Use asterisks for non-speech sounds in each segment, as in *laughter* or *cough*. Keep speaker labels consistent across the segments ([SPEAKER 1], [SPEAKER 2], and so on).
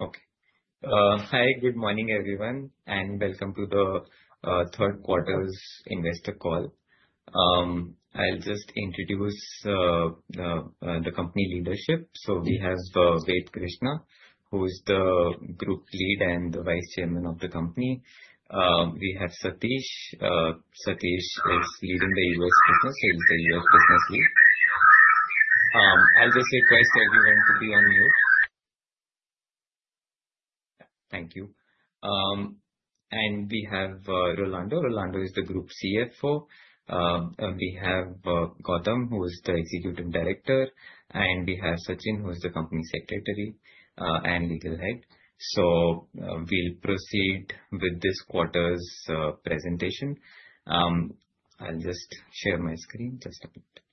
[SPEAKER 1] Okay. Hi, good morning, everyone, and welcome to the third quarter's investor call. I'll just introduce the company leadership. So we have Ved Krishna, who is the Group Lead and Vice Chairman of the company. We have Satish. Satish is leading the U.S. business. He's the U.S. business lead. I'll just request everyone to be on mute. Thank you. And we have Rolando. Rolando is the Group CFO. We have Gautam, who is the Executive Director, and we have Sachin, who is the Company Secretary and Legal Head. So we'll proceed with this quarter's presentation. I'll just share my screen just a bit.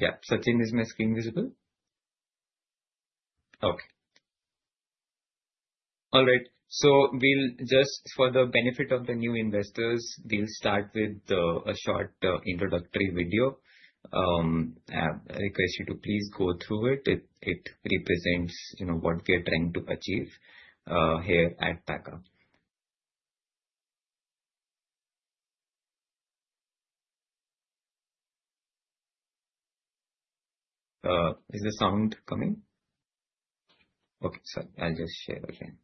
[SPEAKER 1] Yeah. Sachin, is my screen visible? Okay. All right. So we'll just, for the benefit of the new investors, start with a short introductory video. I request you to please go through it. It represents, you know, what we are trying to achieve here at Pakka. Is the sound coming? Okay. Sorry. I'll just share again.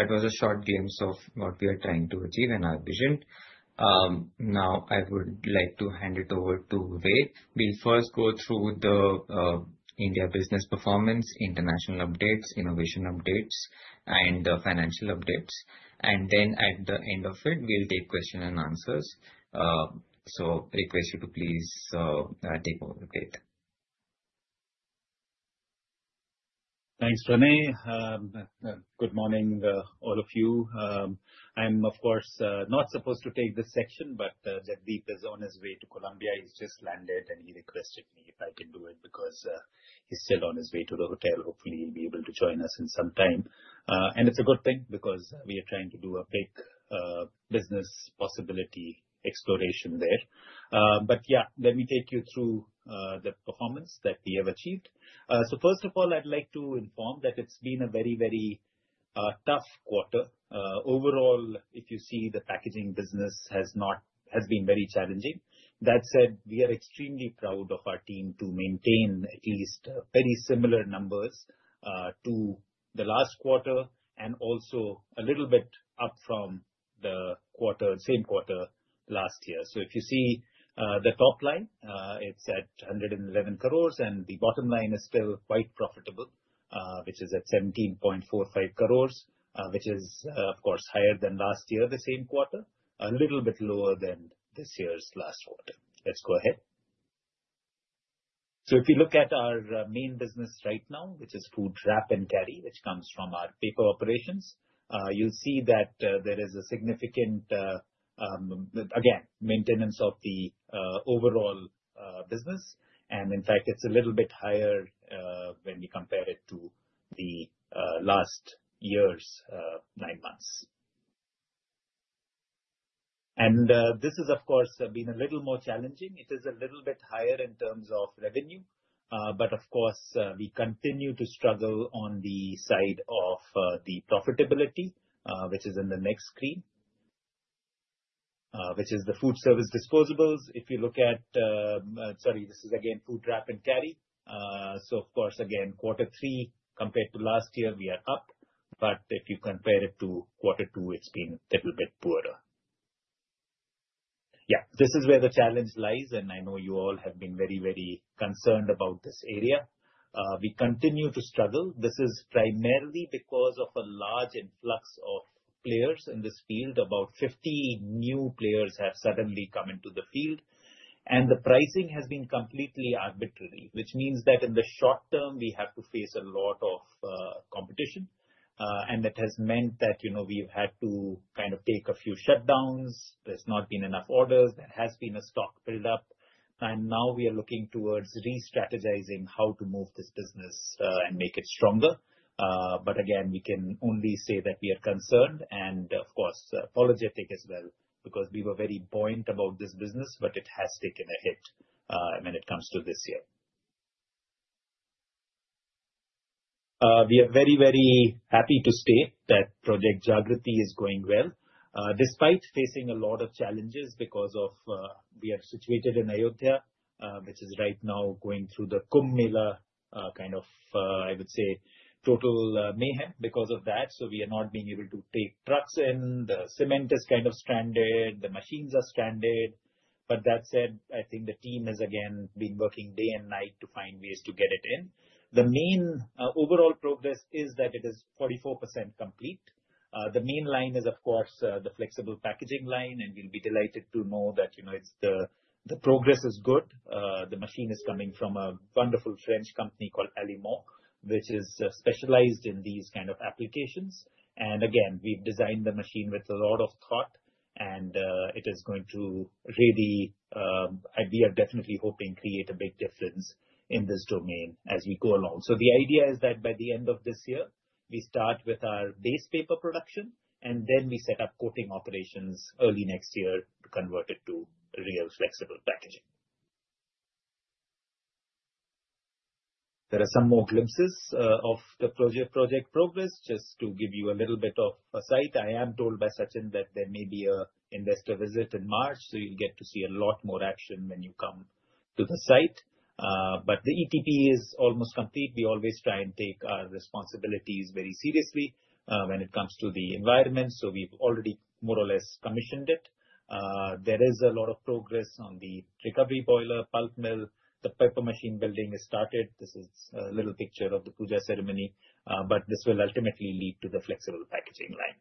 [SPEAKER 1] That was a short glimpse of what we are trying to achieve and our vision. Now I would like to hand it over to Ved. We'll first go through the India business performance, international updates, innovation updates, and financial updates. Then at the end of it, we'll take questions and answers. Request you to please take over, Ved.
[SPEAKER 2] Thanks, Pranay. Good morning, all of you. I'm, of course, not supposed to take this section, but Jagdeep is on his way to Colombia. He's just landed, and he requested me if I can do it because he's still on his way to the hotel. Hopefully, he'll be able to join us in some time, and it's a good thing because we are trying to do a big business possibility exploration there, but yeah, let me take you through the performance that we have achieved, so first of all, I'd like to inform that it's been a very, very tough quarter. Overall, if you see, the packaging business has not, has been very challenging. That said, we are extremely proud of our team to maintain at least very similar numbers to the last quarter and also a little bit up from the quarter, same quarter last year. So if you see the top line, it's at 111 crores, and the bottom line is still quite profitable, which is at 17.45 crores, which is of course higher than last year the same quarter, a little bit lower than this year's last quarter. Let's go ahead. So if you look at our main business right now, which is food wrap and carry, which comes from our paper operations, you'll see that there is a significant again maintenance of the overall business. And in fact, it's a little bit higher when we compare it to last year's nine months. And this has of course been a little more challenging. It is a little bit higher in terms of revenue, but of course we continue to struggle on the side of the profitability, which is in the next screen, which is the food service disposables. If you look at, sorry, this is again food wrap and carry. So of course, again, quarter three, compared to last year, we are up, but if you compare it to quarter two, it's been a little bit poorer. Yeah, this is where the challenge lies. And I know you all have been very, very concerned about this area. We continue to struggle. This is primarily because of a large influx of players in this field. About 50 new players have suddenly come into the field. And the pricing has been completely arbitrary, which means that in the short term, we have to face a lot of competition. And that has meant that, you know, we've had to kind of take a few shutdowns. There's not been enough orders. There has been a stock buildup. And now we are looking towards restrategizing how to move this business, and make it stronger. But again, we can only say that we are concerned and, of course, apologetic as well because we were very buoyant about this business, but it has taken a hit when it comes to this year. We are very, very happy to state that Project Jagriti is going well, despite facing a lot of challenges because of we are situated in Ayodhya, which is right now going through the Kumbh Mela, kind of. I would say total mayhem because of that. So we are not being able to take trucks in. The cement is kind of stranded. The machines are stranded. But that said, I think the team has again been working day and night to find ways to get it in. The main, overall progress is that it is 44% complete. The main line is, of course, the flexible packaging line, and we'll be delighted to know that, you know, it's the progress is good. The machine is coming from a wonderful French company called Allimand, which is specialized in these kind of applications. And again, we've designed the machine with a lot of thought, and it is going to really, we are definitely hoping to create a big difference in this domain as we go along. The idea is that by the end of this year, we start with our base paper production, and then we set up coating operations early next year to convert it to real flexible packaging. There are some more glimpses of the project progress, just to give you a little bit of an insight. I am told by Sachin that there may be an investor visit in March, so you'll get to see a lot more action when you come to the site, but the ETP is almost complete. We always try and take our responsibilities very seriously when it comes to the environment, so we've already more or less commissioned it. There is a lot of progress on the recovery boiler, pulp mill. The paper machine building has started. This is a little picture of the puja ceremony, but this will ultimately lead to the flexible packaging line.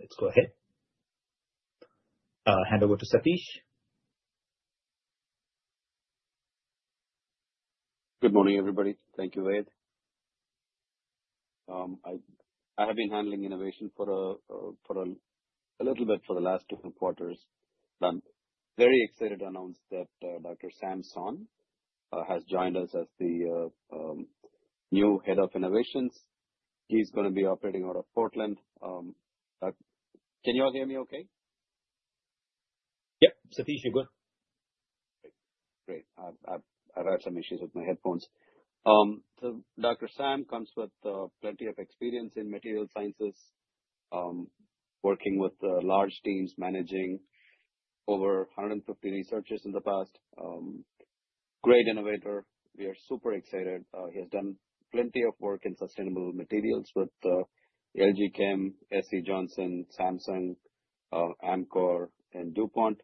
[SPEAKER 2] Let's go ahead. Hand over to Satish.
[SPEAKER 3] Good morning, everybody. Thank you, Ved. I have been handling innovation for a little bit for the last two quarters. Very excited to announce that Dr. Sam Song has joined us as the new head of innovations. He's going to be operating out of Portland. Dr., can you all hear me okay?
[SPEAKER 2] Yep. Satish, you're good.
[SPEAKER 3] Great. Great. I've had some issues with my headphones. So Dr. Sam comes with plenty of experience in material sciences, working with large teams, managing over 150 researchers in the past. Great innovator. We are super excited. He has done plenty of work in sustainable materials with LG Chem, SC Johnson, Samsung, Amcor, and DuPont.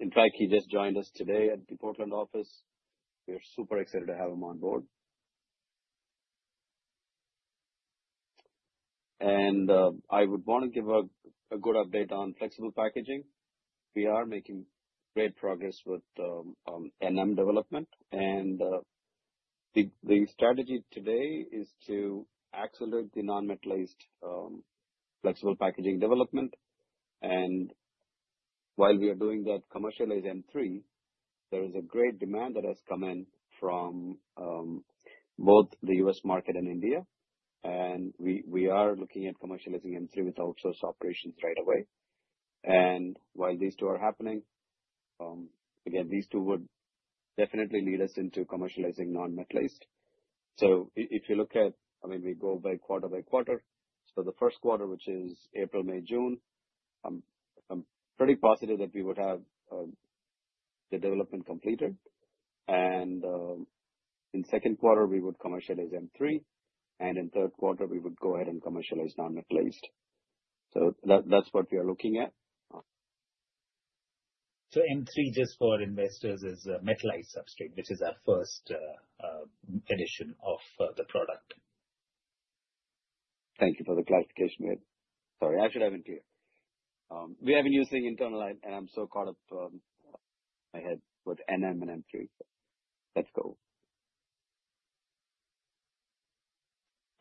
[SPEAKER 3] In fact, he just joined us today at the Portland office. We are super excited to have him on board. And I would want to give a good update on flexible packaging. We are making great progress with NM development. And the strategy today is to accelerate the non-metallized flexible packaging development. And while we are doing that commercialized M3, there is a great demand that has come in from both the U.S. market and India. And we are looking at commercializing M3 with outsourced operations right away. And while these two are happening, again, these two would definitely lead us into commercializing non-metallized. So if you look at, I mean, we go by quarter by quarter. So the first quarter, which is April, May, June, I'm pretty positive that we would have the development completed. And in second quarter, we would commercialize M3. And in third quarter, we would go ahead and commercialize non-metallized. So that's what we are looking at.
[SPEAKER 2] M3, just for investors, is a metallized substrate, which is our first edition of the product.
[SPEAKER 3] Thank you for the clarification, Ved. Sorry, I should have been clear. We have been using internal line, and I'm so caught up, my head with NM and M3. Let's go.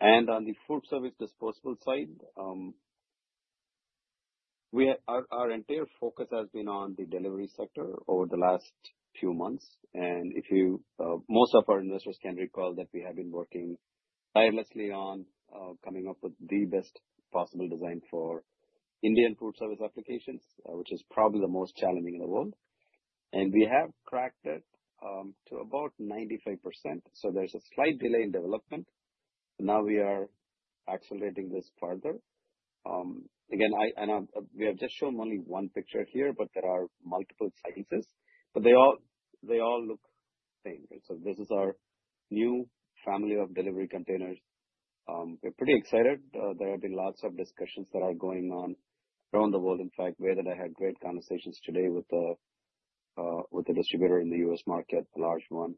[SPEAKER 3] And on the food service disposable side, our entire focus has been on the delivery sector over the last few months. And most of our investors can recall that we have been working tirelessly on coming up with the best possible design for Indian food service applications, which is probably the most challenging in the world. And we have cracked it to about 95%. So there's a slight delay in development. Now we are accelerating this further. Again, I know we have just shown only one picture here, but there are multiple slices, but they all look the same. So this is our new family of delivery containers. We're pretty excited. There have been lots of discussions that are going on around the world. In fact, Ved, I had great conversations today with the distributor in the U.S. market, a large one.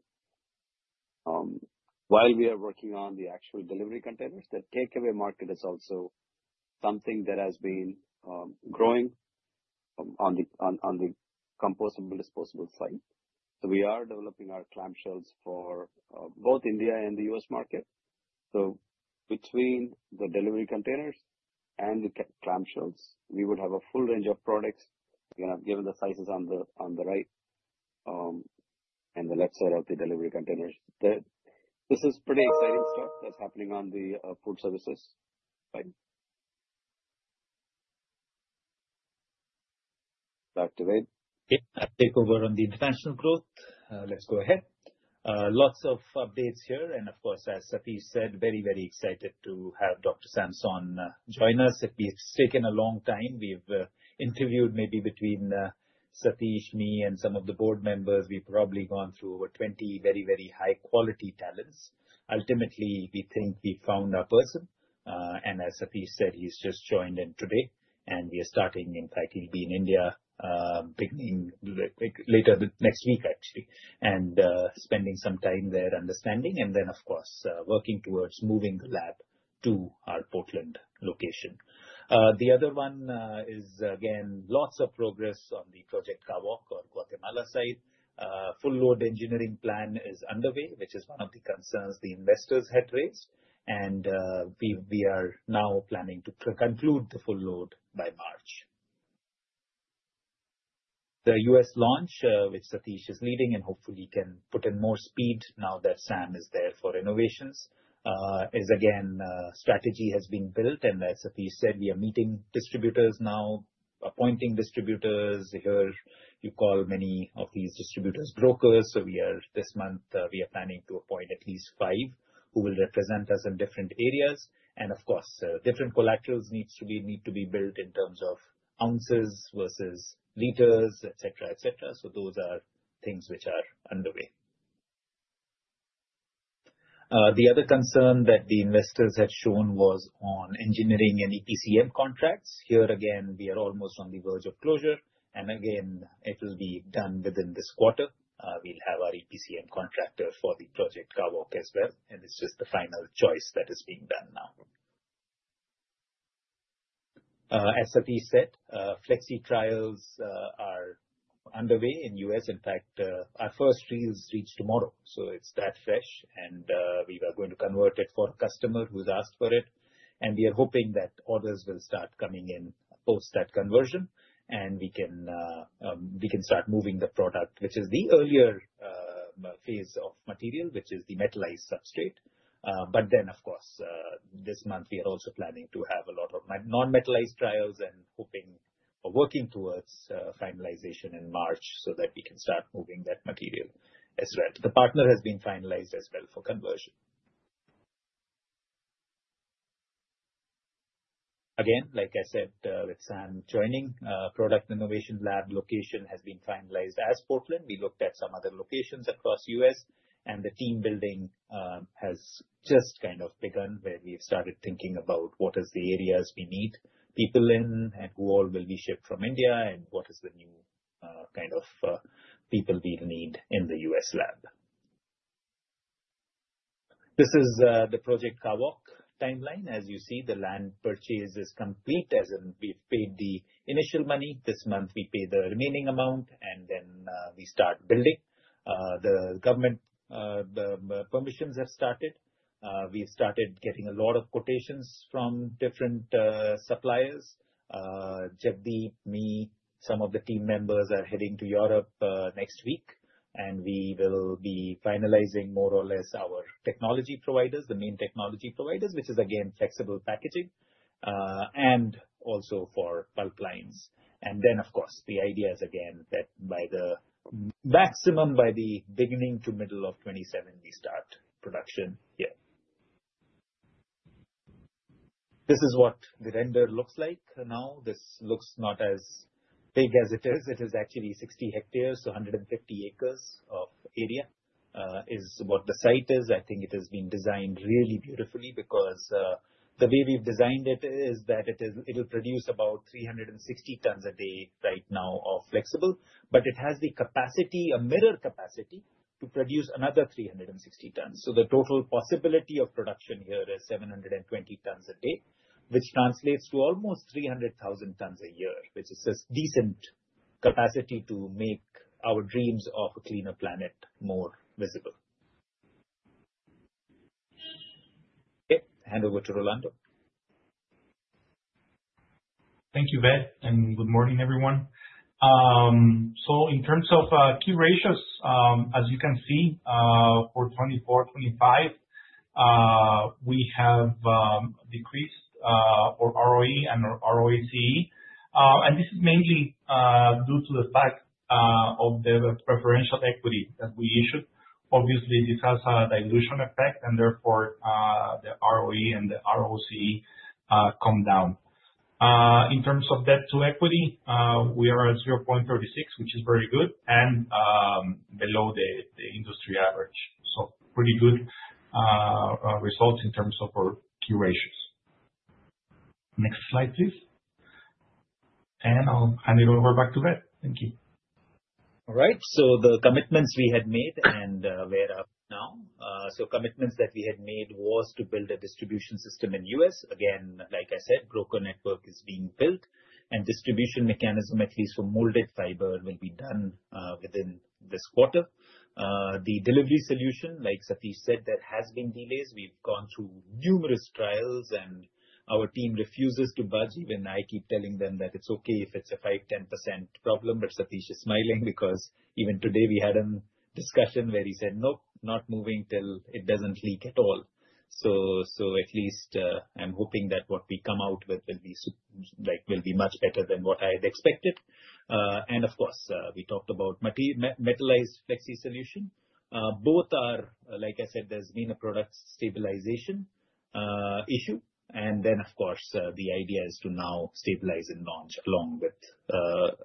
[SPEAKER 3] While we are working on the actual delivery containers, the takeaway market is also something that has been growing on the compostable disposable side. So we are developing our clamshells for both India and the U.S. market. So between the delivery containers and the clamshells, we would have a full range of products. Again, I've given the slices on the right and the left side of the delivery containers. This is pretty exciting stuff that's happening on the food services. Back to Ved.
[SPEAKER 2] Yeah, I'll take over on the international growth. Let's go ahead. Lots of updates here, and of course, as Satish said, very, very excited to have Dr. Sam Song join us. It's taken a long time. We've interviewed maybe between Satish, me, and some of the board members. We've probably gone through over 20 very, very high-quality talents. Ultimately, we think we found our person, and as Satish said, he's just joined in today. And we are starting, in fact, he'll be in India, beginning later this next week, actually, and spending some time there understanding. And then, of course, working towards moving the lab to our Portland location. The other one is, again, lots of progress on the Project Kawok on Guatemala side. Full load engineering plan is underway, which is one of the concerns the investors had raised. We are now planning to conclude the full load by March. The U.S. launch, which Satish is leading and hopefully can put in more speed now that Sam is there for innovations, is again. Strategy has been built. As Satish said, we are meeting distributors now, appointing distributors here. You call many of these distributors brokers. So, this month, we are planning to appoint at least five who will represent us in different areas. Of course, different collaterals need to be built in terms of ounces versus liters, etc. So those are things which are underway. The other concern that the investors had shown was on engineering and EPCM contracts. Here again, we are almost on the verge of closure. It will be done within this quarter. We'll have our EPCM contractor for the Project Kawok as well. And it's just the final choice that is being done now. As Satish said, flexi trials are underway in the U.S. In fact, our first reels reach tomorrow. So it's that fresh. And we were going to convert it for a customer who's asked for it. And we are hoping that orders will start coming in post that conversion, and we can start moving the product, which is the earlier phase of material, which is the metallized substrate. But then, of course, this month, we are also planning to have a lot of non-metallized trials and hoping or working towards finalization in March so that we can start moving that material as well. The partner has been finalized as well for conversion. Again, like I said, with Sam joining, Product Innovation Lab location has been finalized as Portland. We looked at some other locations across the U.S., and the team building has just kind of begun where we've started thinking about what are the areas we need people in and who all will be shipped from India and what is the new, kind of, people we'll need in the U.S. lab. This is the Project Kawok timeline. As you see, the land purchase is complete as in we've paid the initial money. This month, we pay the remaining amount, and then we start building. The government permissions have started. We've started getting a lot of quotations from different suppliers. Jagdeep, me, some of the team members are heading to Europe next week, and we will be finalizing more or less our technology providers, the main technology providers, which is again flexible packaging, and also for pulp lines. Then, of course, the idea is again that by the maximum by the beginning to middle of 2027, we start production here. This is what the render looks like now. This looks not as big as it is. It is actually 60 hectares, so 150 acres of area, is what the site is. I think it has been designed really beautifully because the way we've designed it is that it is, it'll produce about 360 tons a day right now of flexible, but it has the capacity, a mirror capacity to produce another 360 tons. The total possibility of production here is 720 tons a day, which translates to almost 300,000 tons a year, which is a decent capacity to make our dreams of a cleaner planet more visible. Okay. Hand over to Rolando.
[SPEAKER 4] Thank you, Ved. Good morning, everyone. So, in terms of key ratios, as you can see, for 2024, 2025, we have decreased our ROE and our ROCE. This is mainly due to the fact of the preferential equity that we issued. Obviously, this has a dilution effect, and therefore, the ROE and the ROCE come down. In terms of debt to equity, we are at 0.36, which is very good, and below the industry average. So, pretty good results in terms of our key ratios. Next slide, please. I'll hand it over back to Ved. Thank you.
[SPEAKER 2] All right. So the commitments we had made and, where are we now? So commitments that we had made was to build a distribution system in the U.S. Again, like I said, broker network is being built, and distribution mechanism, at least for molded fiber, will be done, within this quarter. The delivery solution, like Satish said, that has been delays. We've gone through numerous trials, and our team refuses to budge. Even I keep telling them that it's okay if it's a 5%-10% problem, but Satish is smiling because even today we had a discussion where he said, "Nope, not moving till it doesn't leak at all." So at least, I'm hoping that what we come out with will be, like, much better than what I had expected. And of course, we talked about metallized flexible solution. Both are, like I said, there's been a product stabilization issue. And then, of course, the idea is to now stabilize and launch along with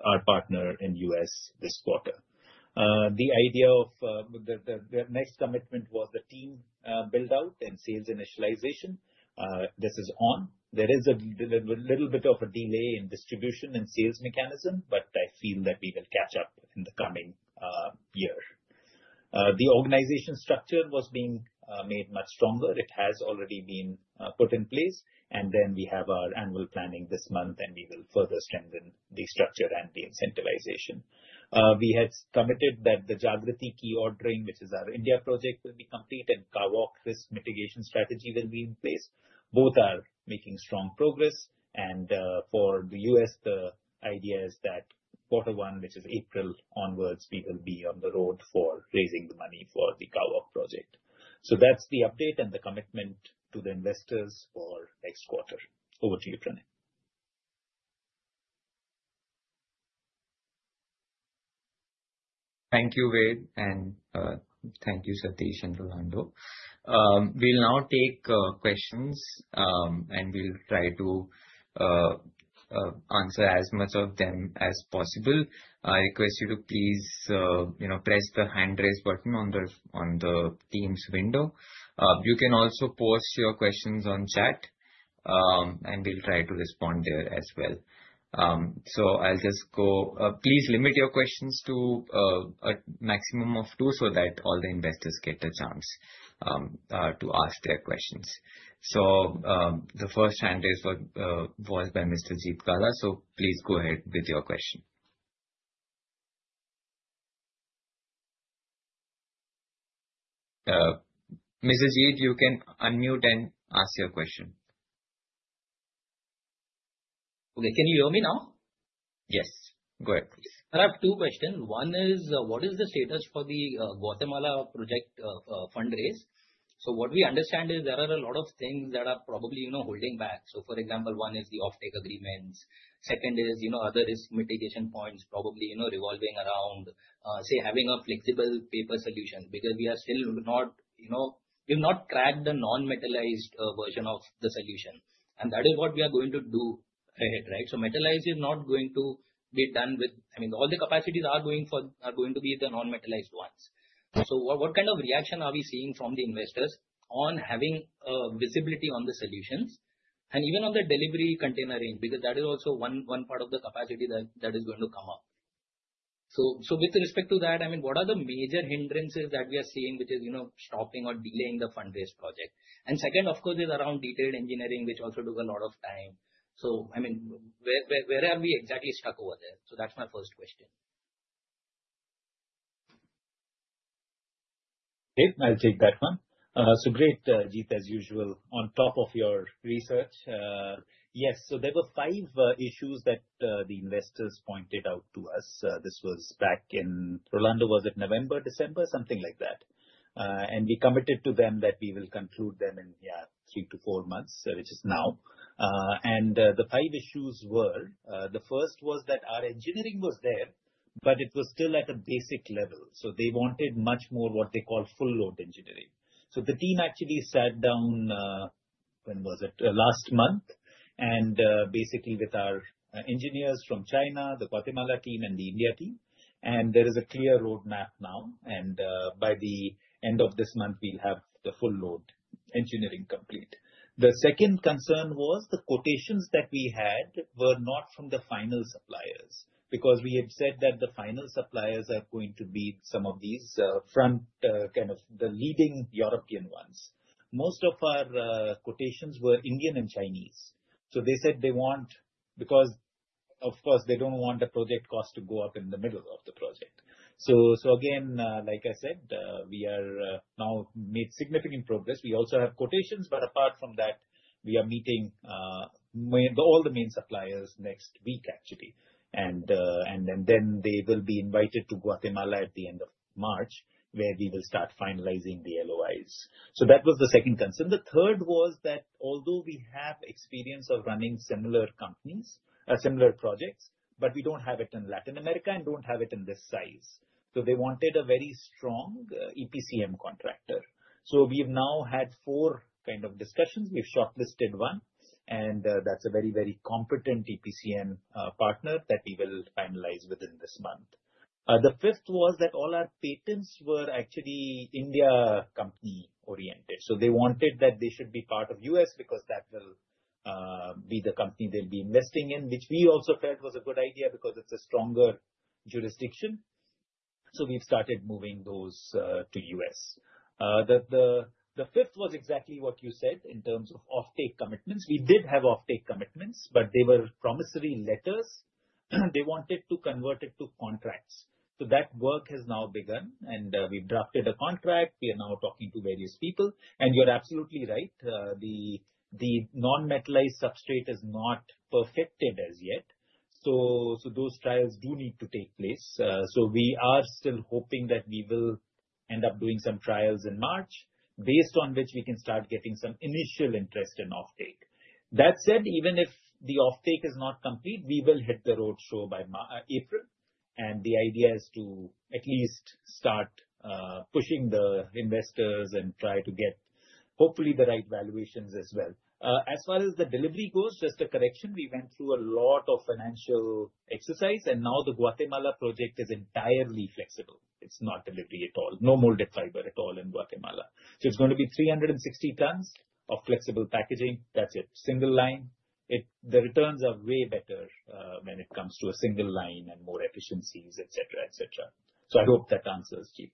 [SPEAKER 2] our partner in the U.S. this quarter. The idea of the next commitment was the team build-out and sales initialization. This is on. There is a little bit of a delay in distribution and sales mechanism, but I feel that we will catch up in the coming year. The organization structure was being made much stronger. It has already been put in place. And then we have our annual planning this month, and we will further strengthen the structure and the incentivization. We had committed that the Jagriti key ordering, which is our India project, will be complete, and Kawok risk mitigation strategy will be in place. Both are making strong progress. For the U.S., the idea is that quarter one, which is April onward, we will be on the road for raising the money for the Project Kawok. That’s the update and the commitment to the investors for next quarter. Over to you, Pranay.
[SPEAKER 1] Thank you, Ved, and thank you, Satish and Rolando. We'll now take questions, and we'll try to answer as much of them as possible. I request you to please, you know, press the hand raise button on the Teams window. You can also post your questions on chat, and we'll try to respond there as well. So, I'll just go. Please limit your questions to a maximum of two so that all the investors get a chance to ask their questions. So, the first hand raise was by Mr. Jeet Gala. So please go ahead with your question. Mr. Jeet, you can unmute and ask your question.
[SPEAKER 5] Okay. Can you hear me now?
[SPEAKER 1] Yes. Go ahead, please.
[SPEAKER 5] I have two questions. One is, what is the status for the Guatemala project fundraise? So what we understand is there are a lot of things that are probably, you know, holding back. So for example, one is the off-take agreements. Second is, you know, other risk mitigation points probably, you know, revolving around, say, having a flexible paper solution because we are still not, you know, we've not cracked the non-metallized version of the solution. And that is what we are going to do ahead, right? So metallized is not going to be done with. I mean, all the capacities are going for, are going to be the non-metallized ones. So what kind of reaction are we seeing from the investors on having a visibility on the solutions and even on the delivery container range? Because that is also one part of the capacity that is going to come up. So with respect to that, I mean, what are the major hindrances that we are seeing, which is, you know, stopping or delaying the fundraise project? And second, of course, is around detailed engineering, which also took a lot of time. So, I mean, where are we exactly stuck over there? So that's my first question.
[SPEAKER 2] Okay. I'll take that one. So great, Jeet, as usual, on top of your research. Yes. So there were five issues that the investors pointed out to us. This was back in, Rolando, was it November, December, something like that. And we committed to them that we will conclude them in, yeah, three to four months, which is now. And the five issues were, the first was that our engineering was there, but it was still at a basic level. So they wanted much more what they call full load engineering. So the team actually sat down, when was it, last month, and basically with our engineers from China, the Guatemala team, and the India team. And by the end of this month, we'll have the full load engineering complete. The second concern was the quotations that we had were not from the final suppliers because we had said that the final suppliers are going to be some of these front kind of the leading European ones. Most of our quotations were Indian and Chinese. So they said they want because of course they don't want the project cost to go up in the middle of the project. So so again like I said we are now made significant progress. We also have quotations but apart from that we are meeting all the main suppliers next week actually. And and then they will be invited to Guatemala at the end of March where we will start finalizing the LOIs. So that was the second concern. The third was that although we have experience of running similar companies, similar projects, but we don't have it in Latin America and don't have it in this size. So they wanted a very strong EPCM contractor. So we've now had four kind of discussions. We've shortlisted one, and that's a very, very competent EPCM partner that we will finalize within this month. The fifth was that all our patents were actually Indian company oriented. So they wanted that they should be part of U.S. because that will be the company they'll be investing in, which we also felt was a good idea because it's a stronger jurisdiction. So we've started moving those to U.S. The fifth was exactly what you said in terms of off-take commitments. We did have off-take commitments, but they were promissory letters. They wanted to convert it to contracts. So that work has now begun, and we've drafted a contract. We are now talking to various people. And you're absolutely right. The non-metallized substrate is not perfected as yet. So those trials do need to take place, so we are still hoping that we will end up doing some trials in March based on which we can start getting some initial interest in off-take. That said, even if the off-take is not complete, we will hit the road show by April. And the idea is to at least start pushing the investors and try to get hopefully the right valuations as well. As far as the molded fiber goes, just a correction, we went through a lot of financial exercise, and now the Guatemala project is entirely flexible. It's not molded fiber at all, no molded fiber at all in Guatemala. So it's going to be 360 tons of flexible packaging. That's it. Single line. The returns are way better when it comes to a single line and more efficiencies, etc. So I hope that answers, Jeet.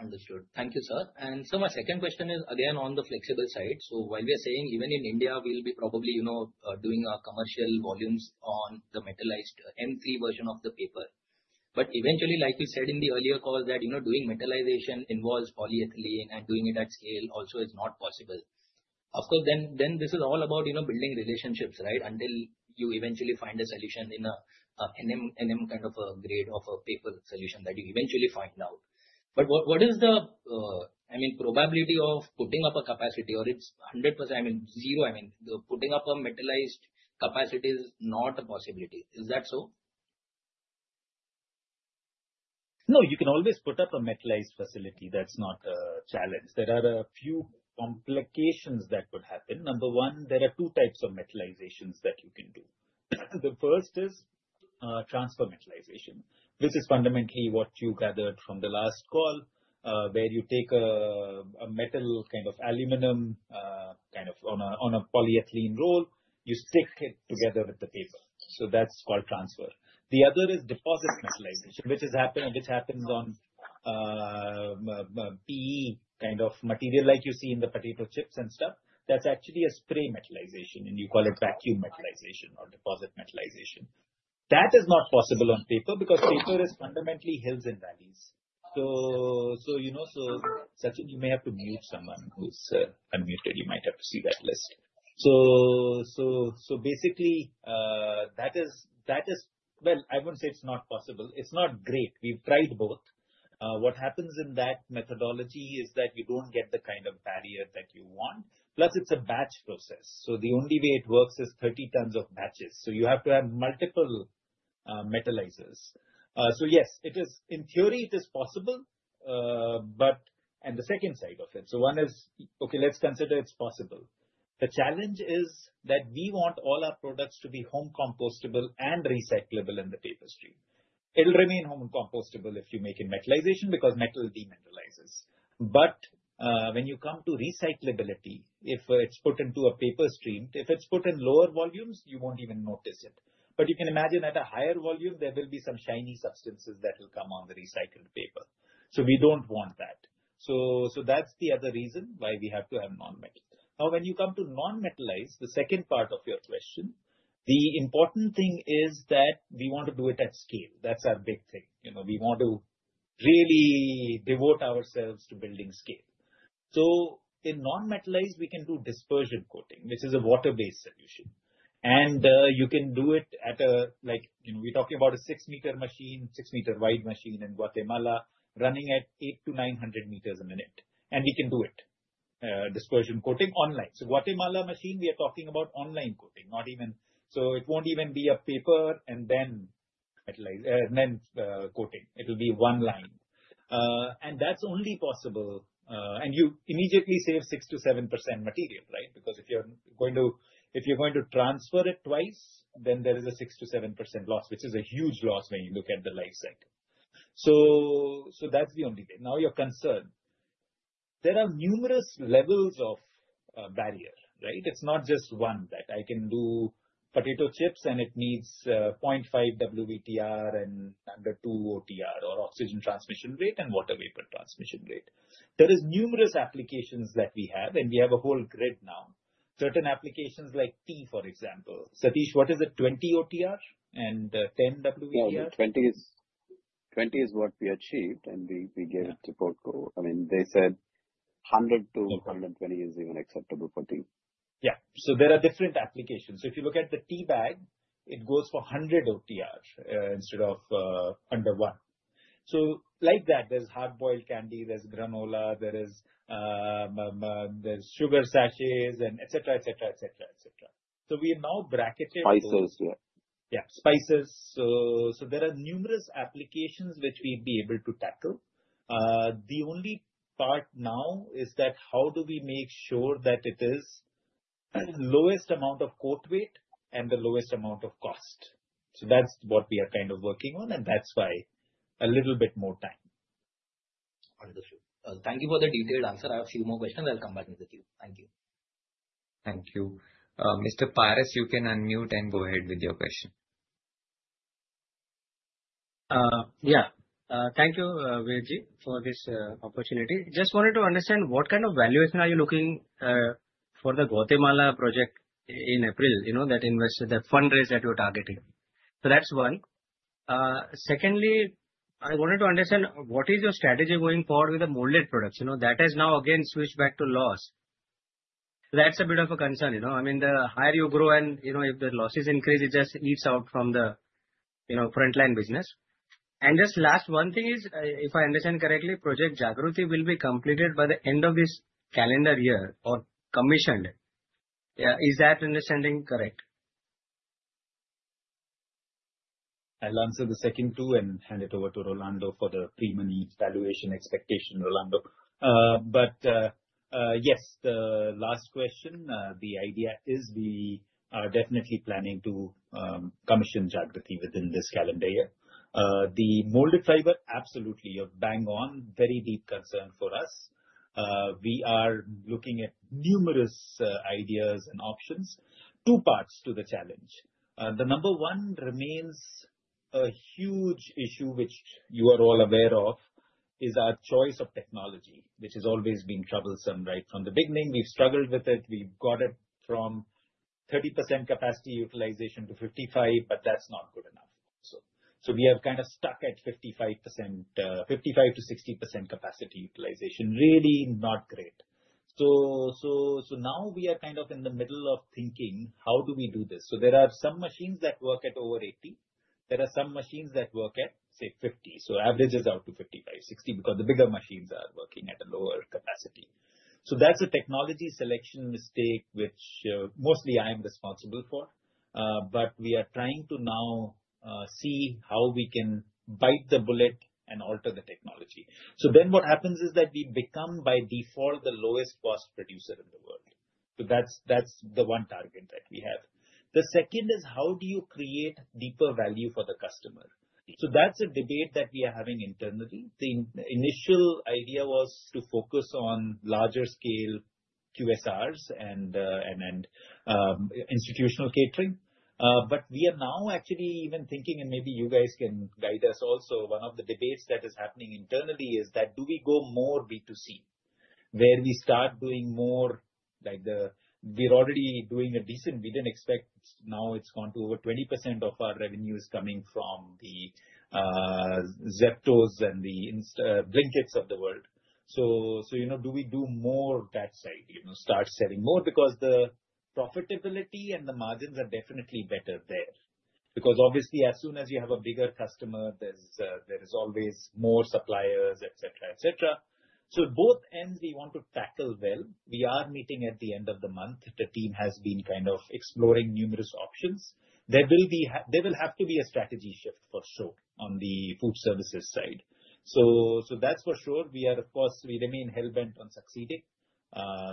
[SPEAKER 5] Understood. Thank you, sir. And so my second question is again on the flexible side. So while we are saying even in India, we'll be probably, you know, doing our commercial volumes on the metallized M3 version of the paper. But eventually, like you said in the earlier call that, you know, doing metallization involves polyethylene and doing it at scale also is not possible. Of course, then, then this is all about, you know, building relationships, right, until you eventually find a solution in a NM kind of a grade of a paper solution that you eventually find out. But what is the, I mean, probability of putting up a capacity or it's 100%, I mean, zero, I mean, the putting up a metallized capacity is not a possibility. Is that so?
[SPEAKER 2] No, you can always put up a metallized facility. That's not a challenge. There are a few complications that could happen. Number one, there are two types of metallizations that you can do. The first is transfer metallization, which is fundamentally what you gathered from the last call, where you take a metal kind of aluminum kind of on a polyethylene roll, you stick it together with the paper. So that's called transfer. The other is deposit metallization, which happens on PE kind of material like you see in the potato chips and stuff. That's actually a spray metallization, and you call it vacuum metallization or deposit metallization. That is not possible on paper because paper is fundamentally hills and valleys, so you know, Sachin, you may have to mute someone who's unmuted. You might have to see that list. So basically, well, I wouldn't say it's not possible. It's not great. We've tried both. What happens in that methodology is that you don't get the kind of barrier that you want. Plus, it's a batch process. So the only way it works is 30 tons of batches. So you have to have multiple metallizers. So yes, in theory, it is possible, but and the second side of it. So one is, okay, let's consider it's possible. The challenge is that we want all our products to be home compostable and recyclable in the paper stream. It'll remain home compostable if you make it metallization because metal demineralizes. But when you come to recyclability, if it's put into a paper stream, if it's put in lower volumes, you won't even notice it. You can imagine at a higher volume, there will be some shiny substances that will come on the recycled paper. So we don't want that. So that's the other reason why we have to have non-metallized. Now, when you come to non-metallized, the second part of your question, the important thing is that we want to do it at scale. That's our big thing. You know, we want to really devote ourselves to building scale. So in non-metallized, we can do dispersion coating, which is a water-based solution. And you can do it at a, like, you know, we're talking about a six-meter machine, six-meter wide machine in Guatemala running at 800-900 meters a minute. And we can do it, dispersion coating online. So, Guatemala machine, we are talking about online coating, not even, so it won't even be a paper and then metallize, and then coating. It'll be one line. And that's only possible, and you immediately save 6%-7% material, right? Because if you're going to transfer it twice, then there is a 6%-7% loss, which is a huge loss when you look at the life cycle. So that's the only thing. Now your concern, there are numerous levels of barrier, right? It's not just one that I can do potato chips and it needs 0.5 WVTR and under 2 OTR or Oxygen Transmission Rate and Water Vapor Transmission Rate. There are numerous applications that we have, and we have a whole grid now. Certain applications like tea, for example. Satish, what is it, 20 OTR and 10 WVTR?
[SPEAKER 3] 20 is what we achieved, and we gave it to. *audio distortion* I mean, they said 100-120 is even acceptable for tea.
[SPEAKER 2] Yeah. So there are different applications. So if you look at the tea bag, it goes for 100 OTR, instead of under one. So like that, there's hard-boiled candy, there's granola, there is, there's sugar sachets and etc. So we now bracketed.
[SPEAKER 3] Spices, yeah.
[SPEAKER 2] Yeah, spices. So there are numerous applications which we'd be able to tackle. The only part now is that how do we make sure that it is lowest amount of coat weight and the lowest amount of cost? So that's what we are kind of working on, and that's why a little bit more time.
[SPEAKER 5] Wonderful. Well, thank you for the detailed answer. I have a few more questions. I'll come back with you. Thank you.
[SPEAKER 1] Thank you. Mr. Paras, you can unmute and go ahead with your question.
[SPEAKER 6] Yeah. Thank you, Vignesh, for this opportunity. Just wanted to understand what kind of valuation are you looking for the Guatemala project in April, you know, that investment that fundraise that you're targeting. So that's one. Secondly, I wanted to understand what is your strategy going forward with the molded products? You know, that has now again switched back to loss. That's a bit of a concern, you know? I mean, the higher you grow and, you know, if the losses increase, it just eats out from the, you know, frontline business. Just one last thing is, if I understand correctly, Project Jagriti will be completed by the end of this calendar year or commissioned. Yeah, is that understanding correct?
[SPEAKER 2] I'll answer the second two and hand it over to Rolando for the pre-money valuation expectation, Rolando. But, yes, the last question, the idea is we are definitely planning to commission Jagriti within this calendar year. The molded fiber, absolutely, you're bang on, very deep concern for us. We are looking at numerous ideas and options. Two parts to the challenge. The number one remains a huge issue, which you are all aware of, is our choice of technology, which has always been troublesome, right? From the beginning, we've struggled with it. We've got it from 30% capacity utilization to 55%, but that's not good enough. So we have kind of stuck at 55%, 55%-60% capacity utilization. Really not great. So now we are kind of in the middle of thinking how do we do this? So there are some machines that work at over 80. There are some machines that work at, say, 50. So average is out to 55, 60 because the bigger machines are working at a lower capacity. So that's a technology selection mistake, which, mostly I am responsible for. But we are trying to now, see how we can bite the bullet and alter the technology. So then what happens is that we become by default the lowest cost producer in the world. So that's, that's the one target that we have. The second is how do you create deeper value for the customer? So that's a debate that we are having internally. The initial idea was to focus on larger scale QSRs and institutional catering. But we are now actually even thinking, and maybe you guys can guide us also. One of the debates that is happening internally is that do we go more B2C, where we start doing more like the. We're already doing a decent. We didn't expect. Now it's gone to over 20% of our revenue is coming from the Zepto's and the Instas, Blinkits of the world. So, so, you know, do we do more that side, you know, start selling more because the profitability and the margins are definitely better there? Because obviously, as soon as you have a bigger customer, there is always more suppliers, etc. So both ends we want to tackle well. We are meeting at the end of the month. The team has been kind of exploring numerous options. There will have to be a strategy shift for sure on the food services side. So that's for sure. Of course, we remain hellbent on succeeding.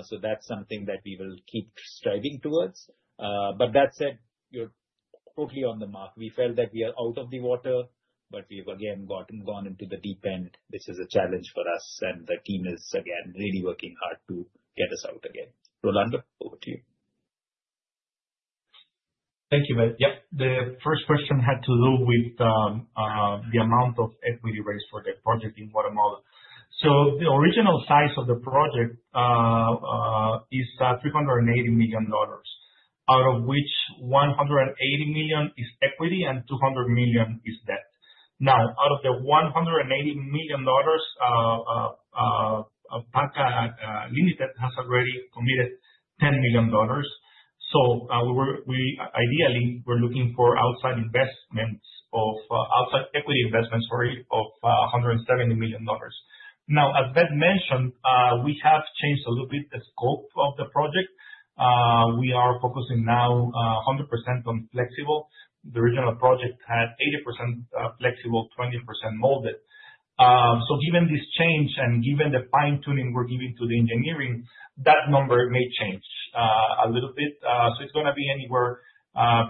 [SPEAKER 2] So that's something that we will keep striving towards. But that said, you're totally on the mark. We felt that we are out of the woods, but we've again gone into the deep end, which is a challenge for us. The team is again really working hard to get us out again. Rolando, over to you.
[SPEAKER 4] Thank you, Ved. Yep. The first question had to do with the amount of equity raised for the project in Guatemala. So the original size of the project is $380 million, out of which $180 million is equity and $200 million is debt. Now, out of the $180 million, Pakka Limited has already committed $10 million. So, we were, we ideally were looking for outside investments of, outside equity investments, sorry, of, $170 million. Now, as Ved mentioned, we have changed a little bit the scope of the project. We are focusing now, 100% on flexible. The original project had 80% flexible, 20% molded. So given this change and given the fine-tuning we're giving to the engineering, that number may change, a little bit. So it's going to be anywhere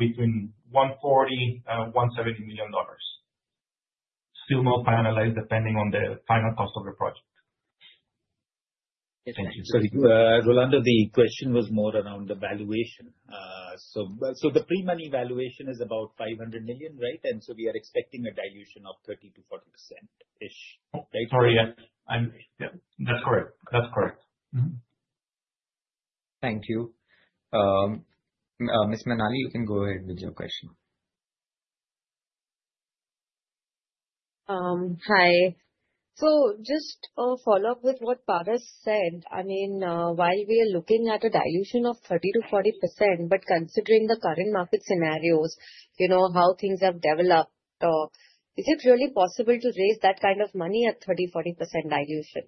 [SPEAKER 4] between $140 million-$170 million. Still not finalized depending on the final cost of the project.
[SPEAKER 2] Thank you. So, Rolando, the question was more around the valuation, so, so the pre-money valuation is about $500 million, right? And so we are expecting a dilution of 30%-40%-ish, right?
[SPEAKER 4] Sorry, yeah. Yeah, that's correct. That's correct.
[SPEAKER 1] Thank you. Ms. Manali, you can go ahead with your question.
[SPEAKER 7] Hi. So just a follow-up with what Paras said. I mean, while we are looking at a dilution of 30%-40%, but considering the current market scenarios, you know, how things have developed, is it really possible to raise that kind of money at 30%-40% dilution?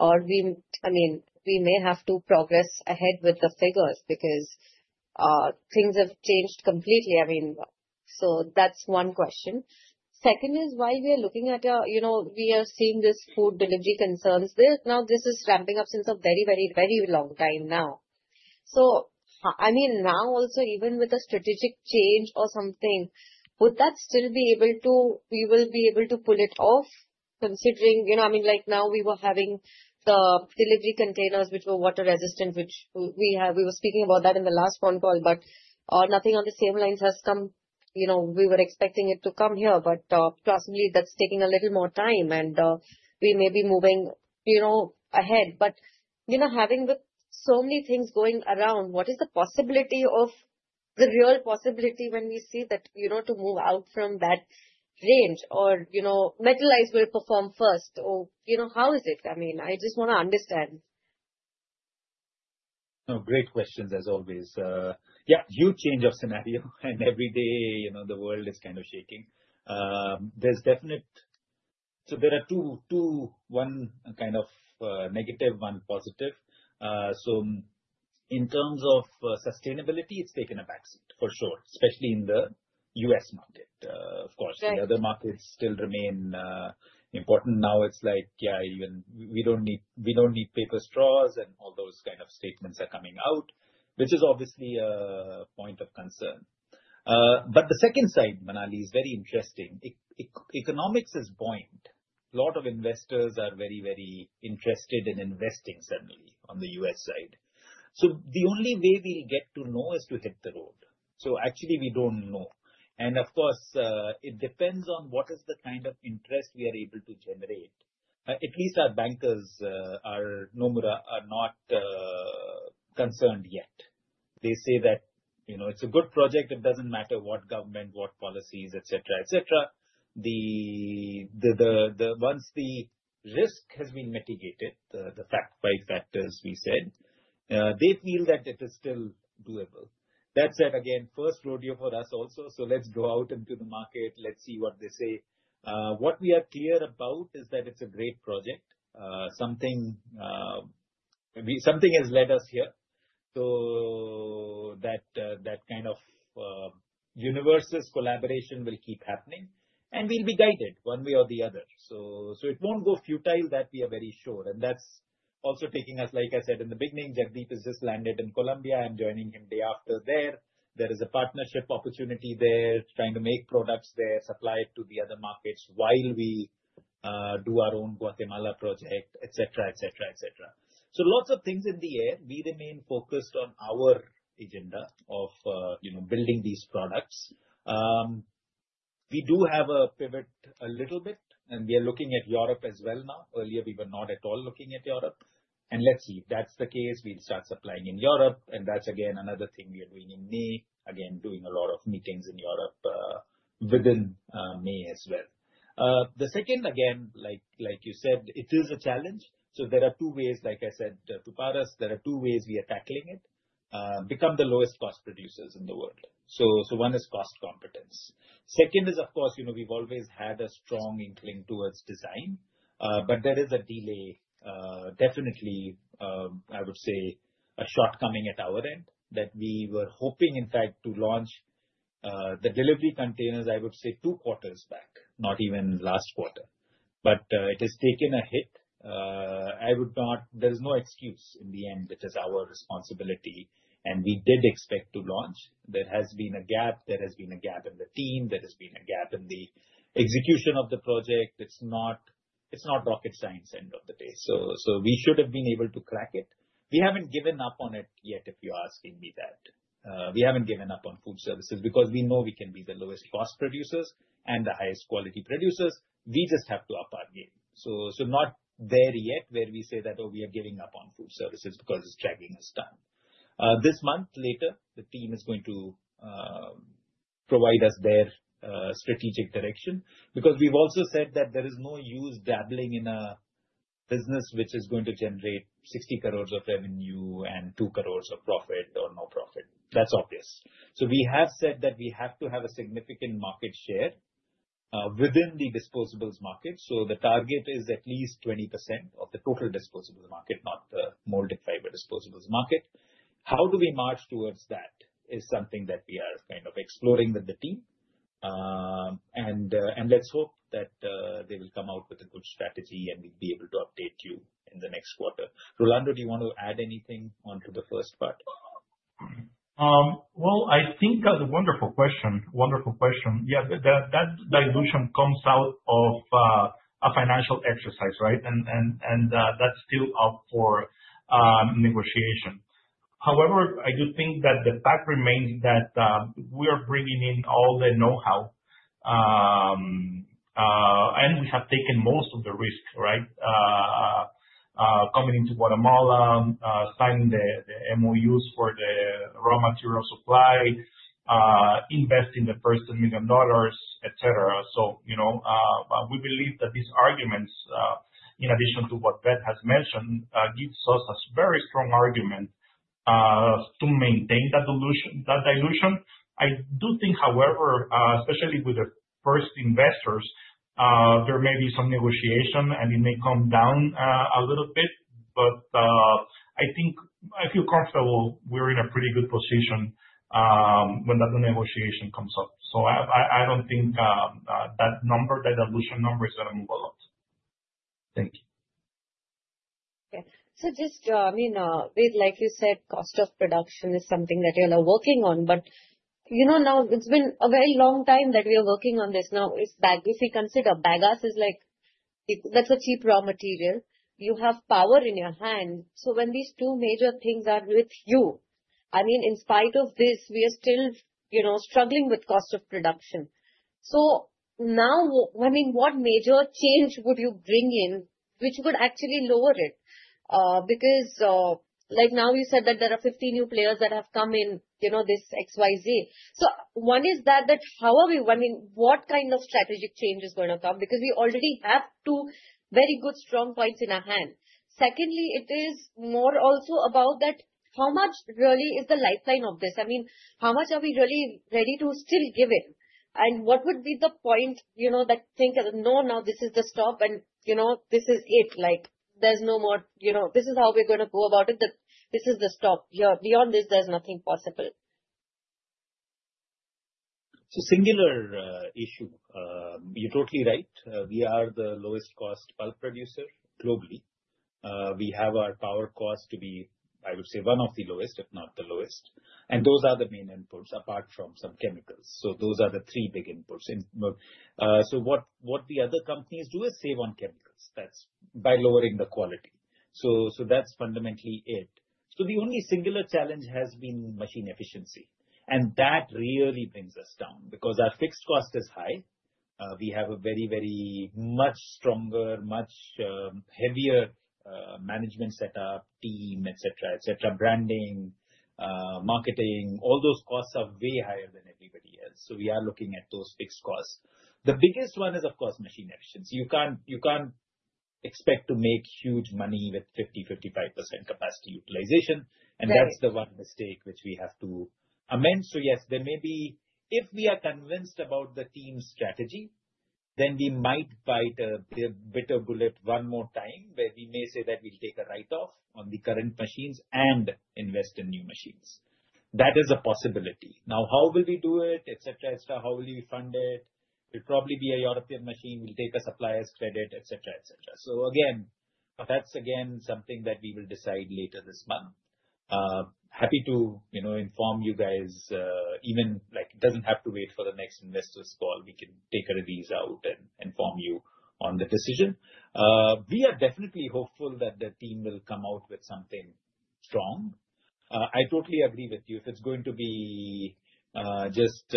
[SPEAKER 7] Or we, I mean, we may have to progress ahead with the figures because, things have changed completely. I mean, so that's one question. Second is, while we are looking at, you know, we are seeing this food delivery concerns there. Now this is ramping up since a very, very, very long time now. So, I mean, now also, even with a strategic change or something, would that still be able to? We will be able to pull it off considering, you know, I mean, like now we were having the delivery containers, which were water resistant, which we have. We were speaking about that in the last phone call, but nothing on the same lines has come, you know. We were expecting it to come here, but possibly that's taking a little more time and we may be moving, you know, ahead. But, you know, having with so many things going around, what is the possibility of the real possibility when we see that, you know, to move out from that range or, you know, metallize will perform first? Or, you know, how is it? I mean, I just want to understand.
[SPEAKER 2] No, great questions as always. Yeah, huge change of scenario and every day, you know, the world is kind of shaking. There's definitely so there are two, one kind of negative, one positive. So in terms of sustainability, it's taken a backseat for sure, especially in the U.S. market. Of course, the other markets still remain important. Now it's like, yeah, even we don't need paper straws and all those kind of statements are coming out, which is obviously a point of concern, but the second side, Manali, is very interesting. Economics is buoyant. A lot of investors are very interested in investing suddenly on the U.S. side. So the only way we'll get to know is to hit the road. So actually we don't know, and of course, it depends on what is the kind of interest we are able to generate. At least our bankers are no more concerned yet. They say that, you know, it's a good project. It doesn't matter what government, what policies, etc. Then, once the risk has been mitigated by the factors we said, they feel that it is still doable. That said, again, first rodeo for us also, so let's go out into the market. Let's see what they say. What we are clear about is that it's a great project. Something, something has led us here, so that kind of universe's collaboration will keep happening and we'll be guided one way or the other, so it won't go futile that we are very sure, and that's also taking us, like I said, in the beginning. Jagdeep has just landed in Colombia. I'm joining him day after there. There is a partnership opportunity there, trying to make products there, supply it to the other markets while we do our own Guatemala project, etc. So lots of things in the air. We remain focused on our agenda of, you know, building these products. We do have a pivot a little bit and we are looking at Europe as well now. Earlier we were not at all looking at Europe. And let's see if that's the case, we'll start supplying in Europe. And that's again another thing we are doing in May, again doing a lot of meetings in Europe, within May as well. The second, again, like, like you said, it is a challenge. So there are two ways, like I said to Paras, there are two ways we are tackling it, become the lowest cost producers in the world. One is cost competence. Second is, of course, you know, we've always had a strong inkling towards design, but there is a delay, definitely. I would say a shortcoming at our end that we were hoping in fact to launch the delivery containers, I would say two quarters back, not even last quarter. But it has taken a hit. I would not. There is no excuse in the end, which is our responsibility and we did expect to launch. There has been a gap. There has been a gap in the team. There has been a gap in the execution of the project. It's not. It's not rocket science end of the day. We should have been able to crack it. We haven't given up on it yet if you're asking me that. We haven't given up on food services because we know we can be the lowest cost producers and the highest quality producers. We just have to up our game. So, so not there yet where we say that, oh, we are giving up on food services because it's dragging us down. This month later, the team is going to provide us their strategic direction because we've also said that there is no use dabbling in a business which is going to generate 60 crores of revenue and two crores of profit or no profit. That's obvious. So we have said that we have to have a significant market share within the disposables market. So the target is at least 20% of the total disposables market, not the molded fiber disposables market. How do we march towards that is something that we are kind of exploring with the team. Let's hope that they will come out with a good strategy and we'll be able to update you in the next quarter. Rolando, do you want to add anything onto the first part?
[SPEAKER 4] Well, I think that's a wonderful question. Wonderful question. Yeah, that dilution comes out of a financial exercise, right? And that's still up for negotiation. However, I do think that the fact remains that we are bringing in all the know-how, and we have taken most of the risk, right? Coming into Guatemala, signing the MoUs for the raw material supply, investing the first $10 million, etc. So, you know, we believe that these arguments, in addition to what Ben has mentioned, gives us a very strong argument to maintain that dilution, that dilution. I do think, however, especially with the first investors, there may be some negotiation and it may come down a little bit, but I think I feel comfortable we're in a pretty good position when that negotiation comes up. So I don't think that number, that dilution number is going to move a lot. Thank you.
[SPEAKER 7] Okay. So just, I mean, with, like you said, cost of production is something that you're now working on, but, you know, now it's been a very long time that we are working on this. Now, it's bagasse, if you consider bagasse is like, that's a cheap raw material. You have power in your hand. So when these two major things are with you, I mean, in spite of this, we are still, you know, struggling with cost of production. So now, I mean, what major change would you bring in which would actually lower it? Because, like now you said that there are 50 new players that have come in, you know, this XYZ. So one is that, that how are we, I mean, what kind of strategic change is going to come? Because we already have two very good strong points in our hand. Secondly, it is more also about that how much really is the lifeline of this? I mean, how much are we really ready to still give it? And what would be the point, you know, that think that no, now this is the stop and, you know, this is it, like there's no more, you know, this is how we're going to go about it, that this is the stop here. Beyond this, there's nothing possible.
[SPEAKER 2] It's a singular issue. You're totally right. We are the lowest cost bulk producer globally. We have our power cost to be, I would say, one of the lowest, if not the lowest. And those are the main inputs apart from some chemicals. So those are the three big inputs. And, so what, what the other companies do is save on chemicals. That's by lowering the quality. So, so that's fundamentally it. So the only singular challenge has been machine efficiency. And that really brings us down because our fixed cost is high. We have a very, very much stronger, much, heavier, management setup, team, etc., branding, marketing, all those costs are way higher than everybody else. So we are looking at those fixed costs. The biggest one is, of course, machine efficiency. You can't, you can't expect to make huge money with 50%-55% capacity utilization. And that's the one mistake which we have to amend. So yes, there may be, if we are convinced about the team strategy, then we might bite a bitter bullet one more time where we may say that we'll take a write-off on the current machines and invest in new machines. That is a possibility. Now, how will we do it, etc.? How will you fund it? It'll probably be a European machine. We'll take a supplier's credit, etc. So again, that's again something that we will decide later this month. Happy to, you know, inform you guys, even like it doesn't have to wait for the next investor's call. We can take a release out and inform you on the decision. We are definitely hopeful that the team will come out with something strong. I totally agree with you. If it's going to be just,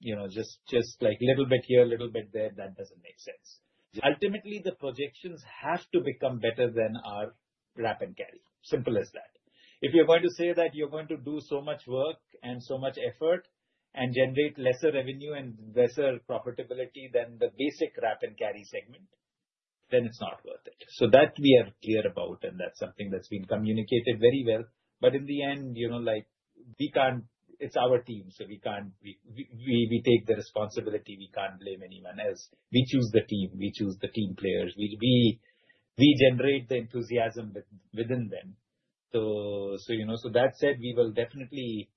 [SPEAKER 2] you know, like a little bit here, a little bit there, that doesn't make sense. Ultimately, the projections have to become better than our wrap and carry. Simple as that. If you're going to say that you're going to do so much work and so much effort and generate lesser revenue and lesser profitability than the basic wrap and carry segment, then it's not worth it. So that we are clear about and that's something that's been communicated very well. But in the end, you know, like we can't, it's our team, so we can't take the responsibility. We can't blame anyone else. We choose the team. We choose the team players. We generate the enthusiasm within them. So, you know, that said, we will definitely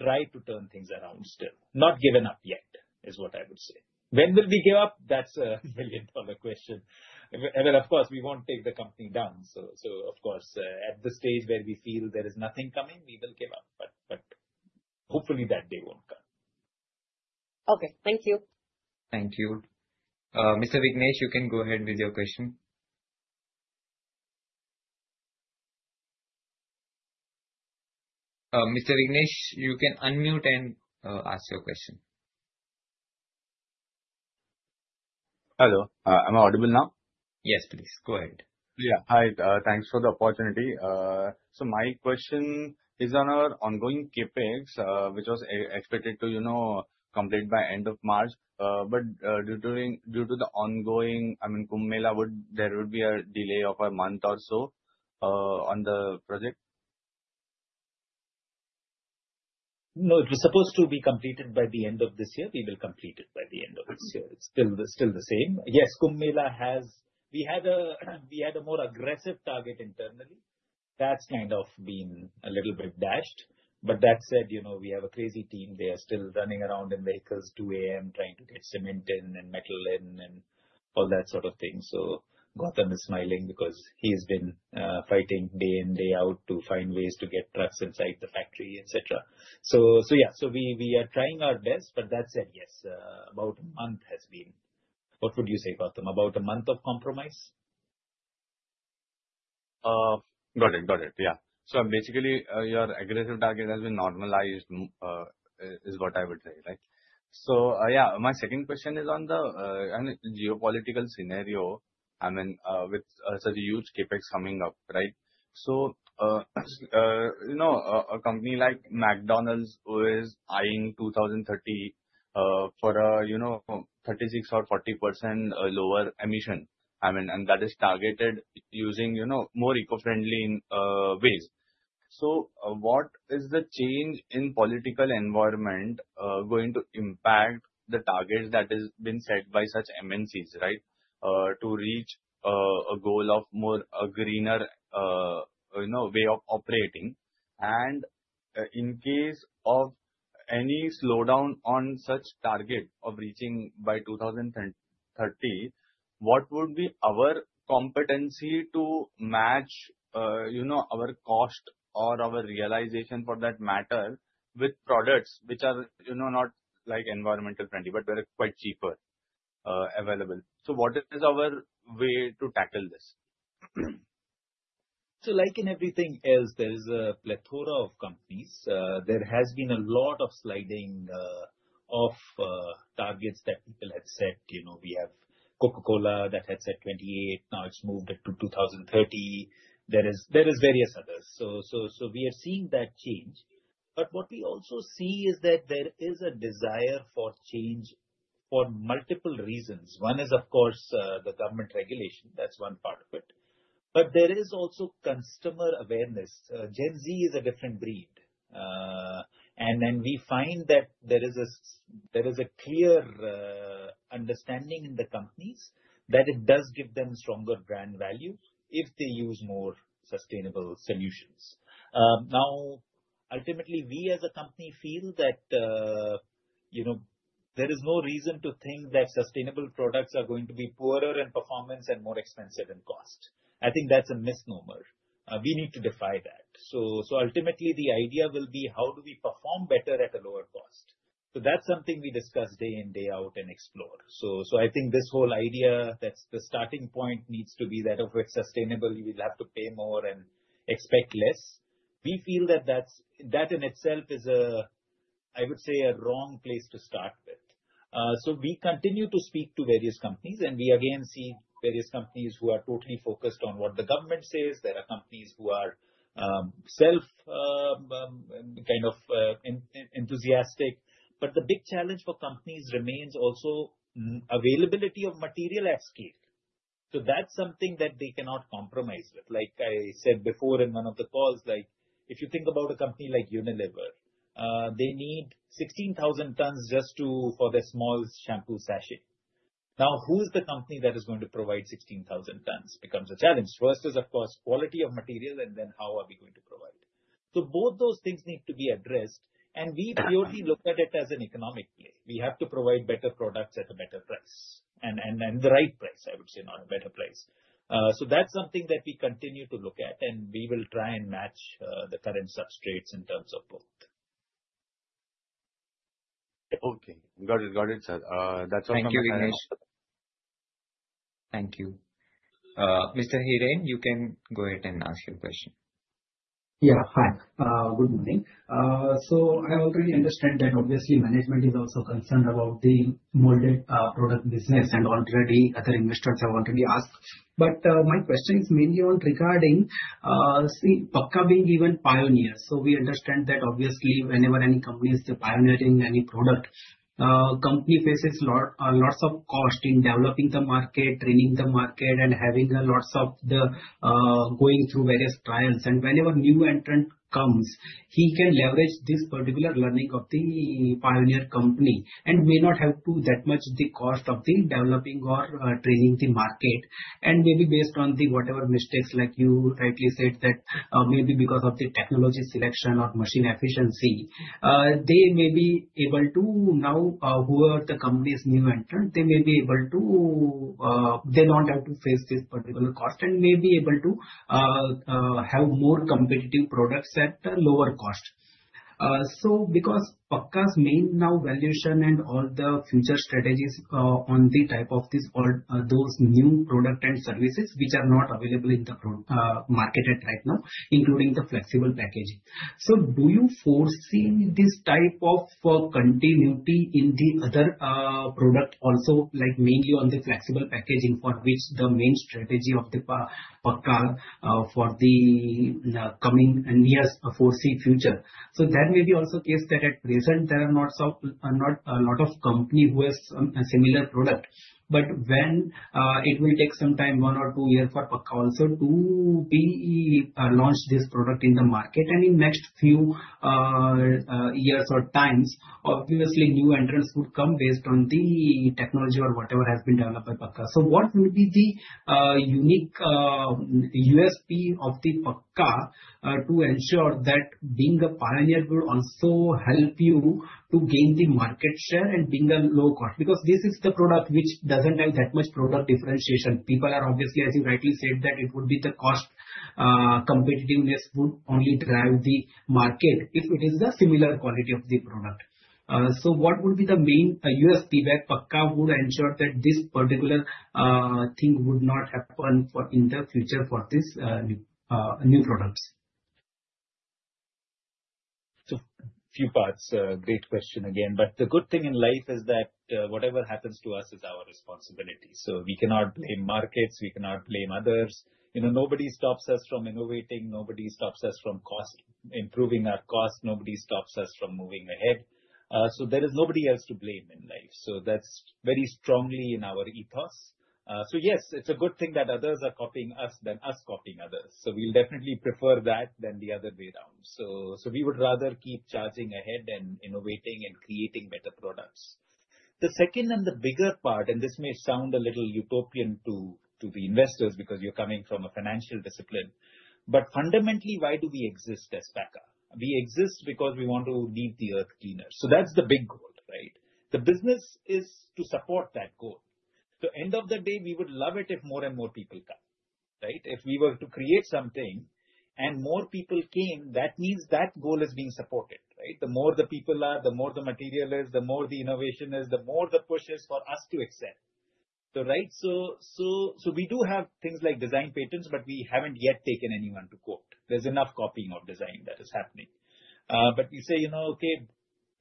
[SPEAKER 2] try to turn things around still. Not given up yet is what I would say. When will we give up? That's a million dollar question. I mean, of course, we won't take the company down. So, of course, at the stage where we feel there is nothing coming, we will give up, but, hopefully that day won't come.
[SPEAKER 7] Okay. Thank you.
[SPEAKER 1] Thank you. Mr. Vignesh, you can go ahead with your question. Mr. Vignesh, you can unmute and ask your question.
[SPEAKER 8] Hello. Am I audible now?
[SPEAKER 1] Yes, please. Go ahead.
[SPEAKER 8] Yeah. Hi. Thanks for the opportunity. So my question is on our ongoing CapEx, which was expected to, you know, complete by end of March. But due to the ongoing, I mean, Kumbh Mela, would there be a delay of a month or so on the project?
[SPEAKER 2] No, it was supposed to be completed by the end of this year. We will complete it by the end of this year. It's still, still the same. Yes, Kumbh Mela has. We had a more aggressive target internally. That's kind of been a little bit dashed. But that said, you know, we have a crazy team. They are still running around in vehicles 2:00 A.M. trying to get cement in and metal in and all that sort of thing. So Gautam is smiling because he has been fighting day in, day out to find ways to get trucks inside the factory, etc. So yeah, so we are trying our best, but that said, yes, about a month has been, what would you say, Gautam? About a month of compromise?
[SPEAKER 8] Got it. Got it. Yeah. So basically, your aggressive target has been normalized, is what I would say, right? So, yeah, my second question is on the, I mean, geopolitical scenario, I mean, with such a huge CPGs coming up, right? So, you know, a company like McDonald's is eyeing 2030 for a, you know, 36% or 40% lower emission. I mean, and that is targeted using, you know, more eco-friendly ways. So, what is the change in political environment going to impact the targets that have been set by such MNCs, right? To reach a goal of a greener, you know, way of operating. And, in case of any slowdown on such target of reaching by 2030, what would be our competency to match, you know, our cost or our realization for that matter with products which are, you know, not like environmentally friendly, but they're quite cheaper, available? So what is our way to tackle this?
[SPEAKER 2] So, like in everything else, there is a plethora of companies. There has been a lot of sliding of targets that people have set. You know, we have Coca-Cola that had said 28. Now it's moved to 2030. There is various others. So we are seeing that change. But what we also see is that there is a desire for change for multiple reasons. One is, of course, the government regulation. That's one part of it. But there is also customer awareness. Gen Z is a different breed. And then we find that there is a clear understanding in the companies that it does give them stronger brand value if they use more sustainable solutions. Now, ultimately, we as a company feel that, you know, there is no reason to think that sustainable products are going to be poorer in performance and more expensive in cost. I think that's a misnomer. We need to defy that. So, so ultimately, the idea will be how do we perform better at a lower cost? So that's something we discuss day in, day out and explore. So, so I think this whole idea that the starting point needs to be that of which sustainability will have to pay more and expect less. We feel that that's, that in itself is a, I would say, a wrong place to start with. So we continue to speak to various companies and we again see various companies who are totally focused on what the government says. There are companies who are, self, kind of, enthusiastic. But the big challenge for companies remains also availability of material at scale. So that's something that they cannot compromise with. Like I said before in one of the calls, like if you think about a company like Unilever, they need 16,000 tons just for their small shampoo sachet. Now, who's the company that is going to provide 16,000 tons becomes a challenge. First is, of course, quality of material and then how are we going to provide? So both those things need to be addressed. And we purely look at it as an economic play. We have to provide better products at a better price. And the right price, I would say, not a better price. So that's something that we continue to look at and we will try and match the current substrates in terms of both.
[SPEAKER 8] Okay. Got it. Got it, sir. That's all for me.
[SPEAKER 2] Thank you, Vignesh.
[SPEAKER 1] Thank you. Mr. Hiren, you can go ahead and ask your question.
[SPEAKER 9] Yeah. Hi. Good morning. I already understand that obviously management is also concerned about the molded product business and already other investors have already asked. But my question is mainly regarding, see, Pakka being even pioneers. So we understand that obviously whenever any company is pioneering any product, company faces lots of cost in developing the market, training the market, and having lots of the, going through various trials. And whenever new entrant comes, he can leverage this particular learning of the pioneer company and may not have to that much the cost of the developing or training the market. Maybe based on the whatever mistakes, like you rightly said, that maybe because of the technology selection or machine efficiency, they may be able to now, whoever the company is new entrant, they may be able to. They don't have to face this particular cost and may be able to have more competitive products at lower cost. Because Pakka's main now valuation and all the future strategies on the type of this those new product and services which are not available in the market at right now, including the flexible packaging. Do you foresee this type of continuity in the other product also, like mainly on the flexible packaging for which the main strategy of the Pakka for the coming and years foresee future? That may be also case that at present there are not so, not a lot of company who has a similar product. But when it will take some time, one or two years for Pakka also to be launched this product in the market and in next few years or times, obviously new entrants would come based on the technology or whatever has been developed by Pakka. So what will be the unique USP of Pakka to ensure that being a pioneer will also help you to gain the market share and being low cost? Because this is the product which doesn't have that much product differentiation. People are obviously, as you rightly said, that it would be the cost competitiveness would only drive the market if it is similar quality of the product. So what would be the main USP that Pakka would ensure that this particular thing would not happen in the future for this new products?
[SPEAKER 2] A few thoughts. Great question again. But the good thing in life is that, whatever happens to us is our responsibility. So we cannot blame markets. We cannot blame others. You know, nobody stops us from innovating. Nobody stops us from cost, improving our cost. Nobody stops us from moving ahead. So there is nobody else to blame in life. So that's very strongly in our ethos. So yes, it's a good thing that others are copying us than us copying others. So we'll definitely prefer that than the other way around. So, so we would rather keep charging ahead and innovating and creating better products. The second and the bigger part, and this may sound a little utopian to, to the investors because you're coming from a financial discipline, but fundamentally, why do we exist as Pakka? We exist because we want to leave the earth cleaner. So that's the big goal, right? The business is to support that goal. So end of the day, we would love it if more and more people come, right? If we were to create something and more people came, that means that goal is being supported, right? The more the people are, the more the material is, the more the innovation is, the more the push is for us to excel. So, right? So we do have things like design patents, but we haven't yet taken anyone to court. There's enough copying of design that is happening. But we say, you know, okay,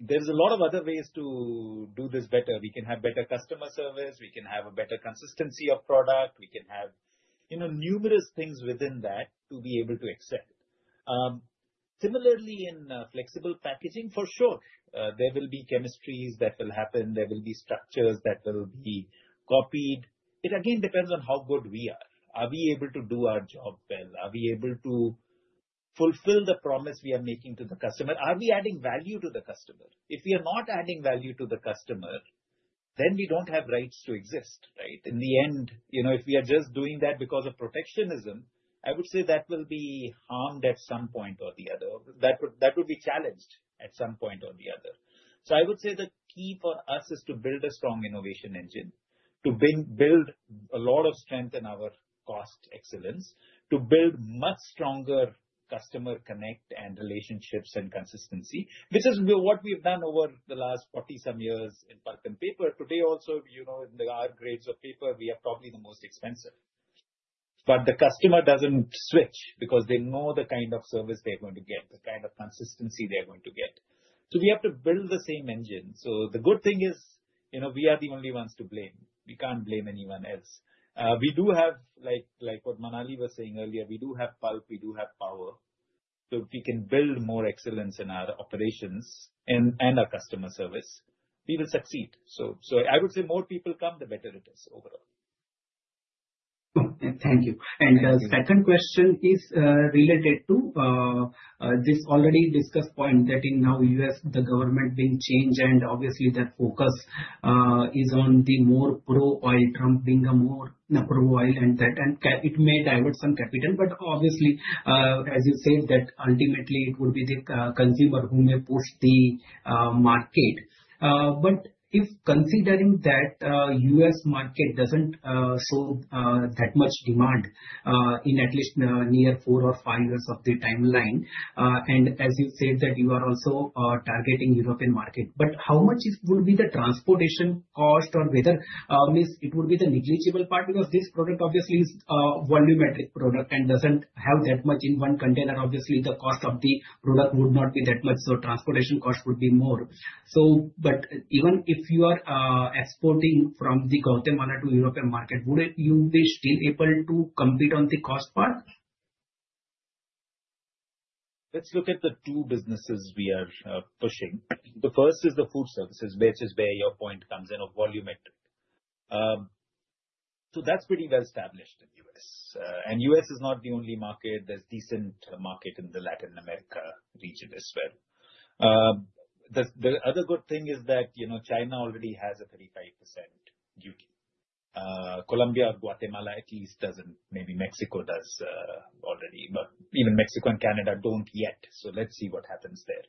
[SPEAKER 2] there's a lot of other ways to do this better. We can have better customer service. We can have a better consistency of product. We can have, you know, numerous things within that to be able to excel. Similarly, in flexible packaging, for sure, there will be chemistries that will happen. There will be structures that will be copied. It again depends on how good we are. Are we able to do our job well? Are we able to fulfill the promise we are making to the customer? Are we adding value to the customer? If we are not adding value to the customer, then we don't have rights to exist, right? In the end, you know, if we are just doing that because of protectionism, I would say that will be harmed at some point or the other. That would be challenged at some point or the other. So I would say the key for us is to build a strong innovation engine, to build a lot of strength in our cost excellence, to build much stronger customer connect and relationships and consistency, which is what we've done over the last 40 some years in Pakka and paper. Today also, you know, in the R-grades of paper, we are probably the most expensive. But the customer doesn't switch because they know the kind of service they're going to get, the kind of consistency they're going to get. So we have to build the same engine. So the good thing is, you know, we are the only ones to blame. We can't blame anyone else. We do have, like what Manali was saying earlier, we do have pulp, we do have power. So if we can build more excellence in our operations and our customer service, we will succeed. So I would say more people come, the better it is overall.
[SPEAKER 9] Thank you, and the second question is related to this already discussed point that in now U.S., the government being changed and obviously that focus is on the more pro-oil Trump being a more pro-oil and that, and it may divert some capital, but obviously, as you said, that ultimately it would be the consumer who may push the market, but if considering that U.S. market doesn't show that much demand in at least near4-5 years of the timeline, and as you said that you are also targeting European market, but how much would be the transportation cost or whether it would be the negligible part because this product obviously is a volumetric product and doesn't have that much in one container. Obviously, the cost of the product would not be that much, so transportation cost would be more. So, but even if you are, exporting from the Guatemala to European market, would you be still able to compete on the cost part?
[SPEAKER 2] Let's look at the two businesses we are pushing. The first is the food services, which is where your point comes in of volumetric. So that's pretty well established in the U.S. And U.S. is not the only market. There's decent market in the Latin America region as well. The other good thing is that, you know, China already has a 35% duty. Colombia or Guatemala at least doesn't, maybe Mexico does, already, but even Mexico and Canada don't yet. So let's see what happens there.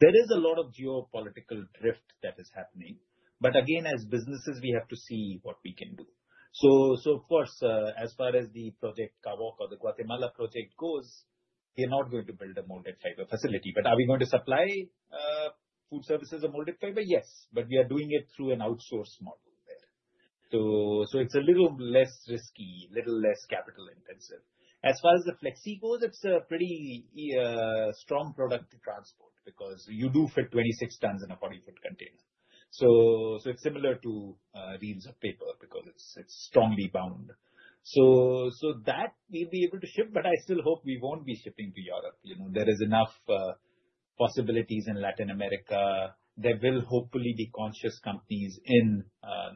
[SPEAKER 2] There is a lot of geopolitical drift that is happening. But again, as businesses, we have to see what we can do. So of course, as far as the Project Kawok or the Guatemala project goes, we are not going to build a molded fiber facility. But are we going to supply food services of molded fiber? Yes. But we are doing it through an outsource model there. So it's a little less risky, a little less capital intensive. As far as the flexi goes, it's a pretty strong product to transport because you do fit 26 tons in a 40-foot container. So it's similar to reams of paper because it's strongly bound. So that we'll be able to ship, but I still hope we won't be shipping to Europe. You know, there is enough possibilities in Latin America. There will hopefully be conscious companies in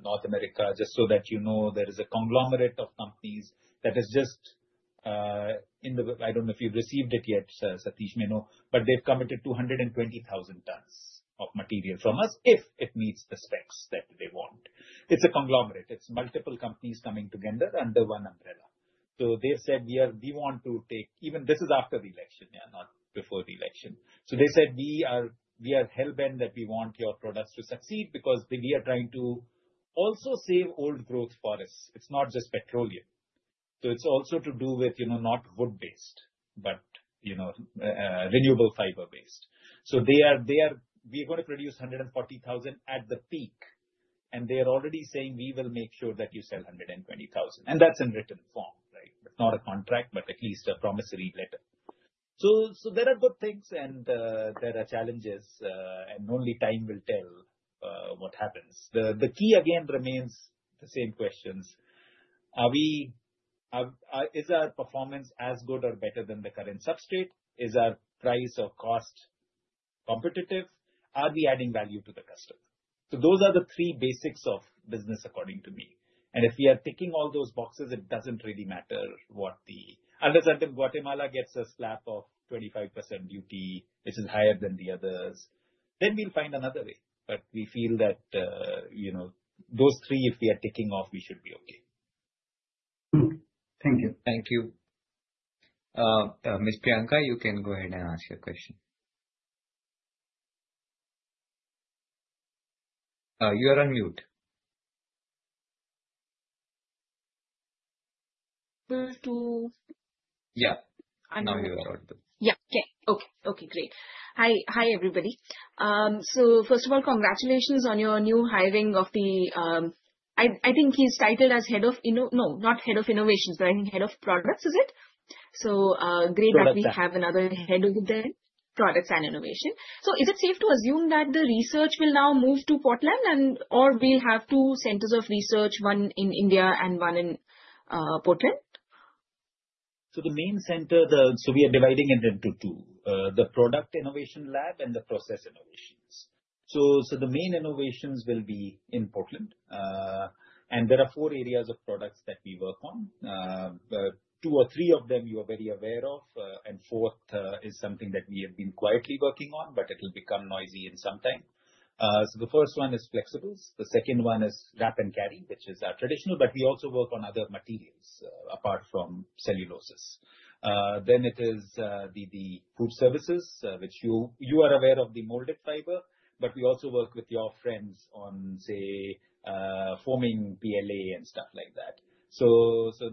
[SPEAKER 2] North America just so that, you know, there is a conglomerate of companies that is just in the, I don't know if you've received it yet, Satish may know, but they've committed 220,000 tons of material from us if it meets the specs that they want. It's a conglomerate. It's multiple companies coming together under one umbrella. So they've said we want to take, even this is after the election, yeah, not before the election. So they said we are hellbent that we want your products to succeed because we are trying to also save old growth forests. It's not just petroleum. So it's also to do with, you know, not wood-based, but, you know, renewable fiber-based. So they are we are going to produce 140,000 at the peak. And they are already saying we will make sure that you sell 120,000. And that's in written form, right? It's not a contract, but at least a promissory letter. So there are good things and there are challenges, and only time will tell what happens. The key again remains the same questions. Is our performance as good or better than the current substrate? Is our price or cost competitive? Are we adding value to the customer? So those are the three basics of business according to me. And if we are ticking all those boxes, it doesn't really matter what the, unless Guatemala gets a slap of 25% duty, which is higher than the others, then we'll find another way. But we feel that, you know, those three, if we are ticking off, we should be okay.
[SPEAKER 9] Thank you.
[SPEAKER 1] Thank you. Ms. Priyanka, you can go ahead and ask your question. You are on mute.
[SPEAKER 10] Hello?
[SPEAKER 1] Yeah. Now you are unmute.
[SPEAKER 10] Great. Hi, hi everybody. So first of all, congratulations on your new hiring of the, I, I think he's titled as head of, you know, no, not head of innovation, but I think head of products, is it? So, great that we have another head within products and innovation. So is it safe to assume that the research will now move to Portland and, or we'll have two centers of research, one in India and one in, Portland?
[SPEAKER 2] The main center, so we are dividing it into two, the product innovation lab and the process innovations. The main innovations will be in Portland. There are four areas of products that we work on. Two or three of them you are very aware of. The fourth is something that we have been quietly working on, but it'll become noisy in some time. The first one is flexibles. The second one is wrap and carry, which is our traditional, but we also work on other materials, apart from celluloses. It is the food services, which you are aware of the molded fiber, but we also work with your friends on, say, forming PLA and stuff like that. The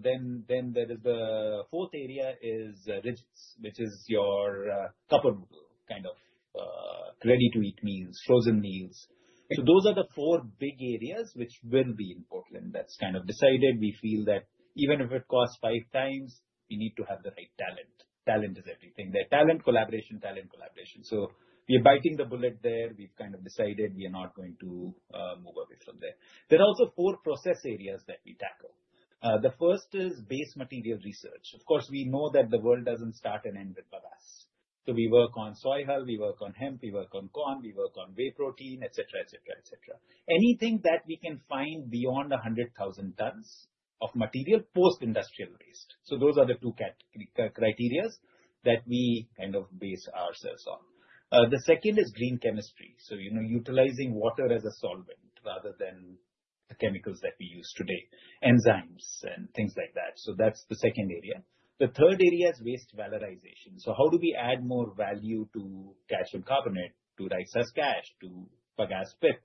[SPEAKER 2] fourth area is rigids, which is your cupboard kind of ready to eat meals, frozen meals. So those are the four big areas which will be in Portland. That's kind of decided. We feel that even if it costs five times, we need to have the right talent. Talent is everything. They're talent collaboration. So we are biting the bullet there. We've kind of decided we are not going to move away from there. There are also four process areas that we tackle. The first is base material research. Of course, we know that the world doesn't start and end with bagasse. So we work on soy hull, we work on hemp, we work on corn, we work on whey protein, etc. Anything that we can find beyond 100,000 tons of material post-industrial based. So those are the two category criteria that we kind of base ourselves on. The second is Green Chemistry. So, you know, utilizing water as a solvent rather than the chemicals that we use today, enzymes and things like that. So that's the second area. The third area is waste valorization. So how do we add more value to calcium carbonate, to rice husk ash, to bagasse pith?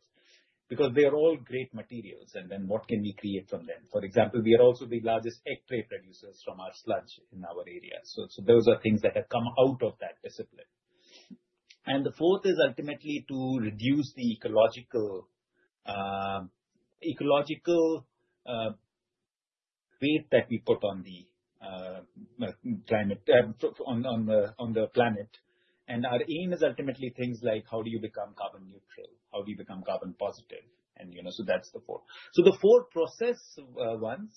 [SPEAKER 2] Because they are all great materials. And then what can we create from them? For example, we are also the largest egg tray producers from our sludge in our area. So those are things that have come out of that discipline. And the fourth is ultimately to reduce the ecological weight that we put on the climate, on the planet. And our aim is ultimately things like how do you become carbon neutral? How do you become carbon positive? And, you know, so that's the four. So the four process ones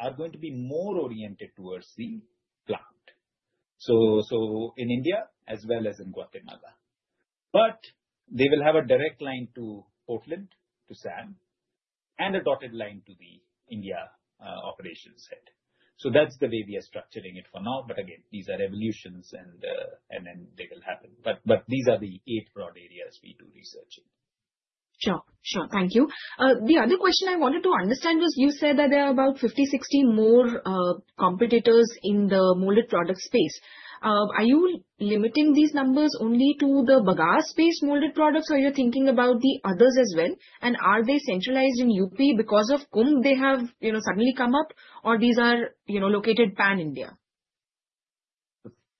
[SPEAKER 2] are going to be more oriented towards the plant. So in India, as well as in Guatemala. But they will have a direct line to Portland, to Sam, and a dotted line to the India operations head. So that's the way we are structuring it for now. But again, these are evolutions and then they will happen. But these are the eight broad areas we do research in.
[SPEAKER 10] Sure. Sure. Thank you. The other question I wanted to understand was you said that there are about 50-60 more competitors in the molded product space. Are you limiting these numbers only to the bagasse-based molded products or you're thinking about the others as well? And are they centralized in UP because of some government they have, you know, suddenly come up or these are, you know, located pan-India?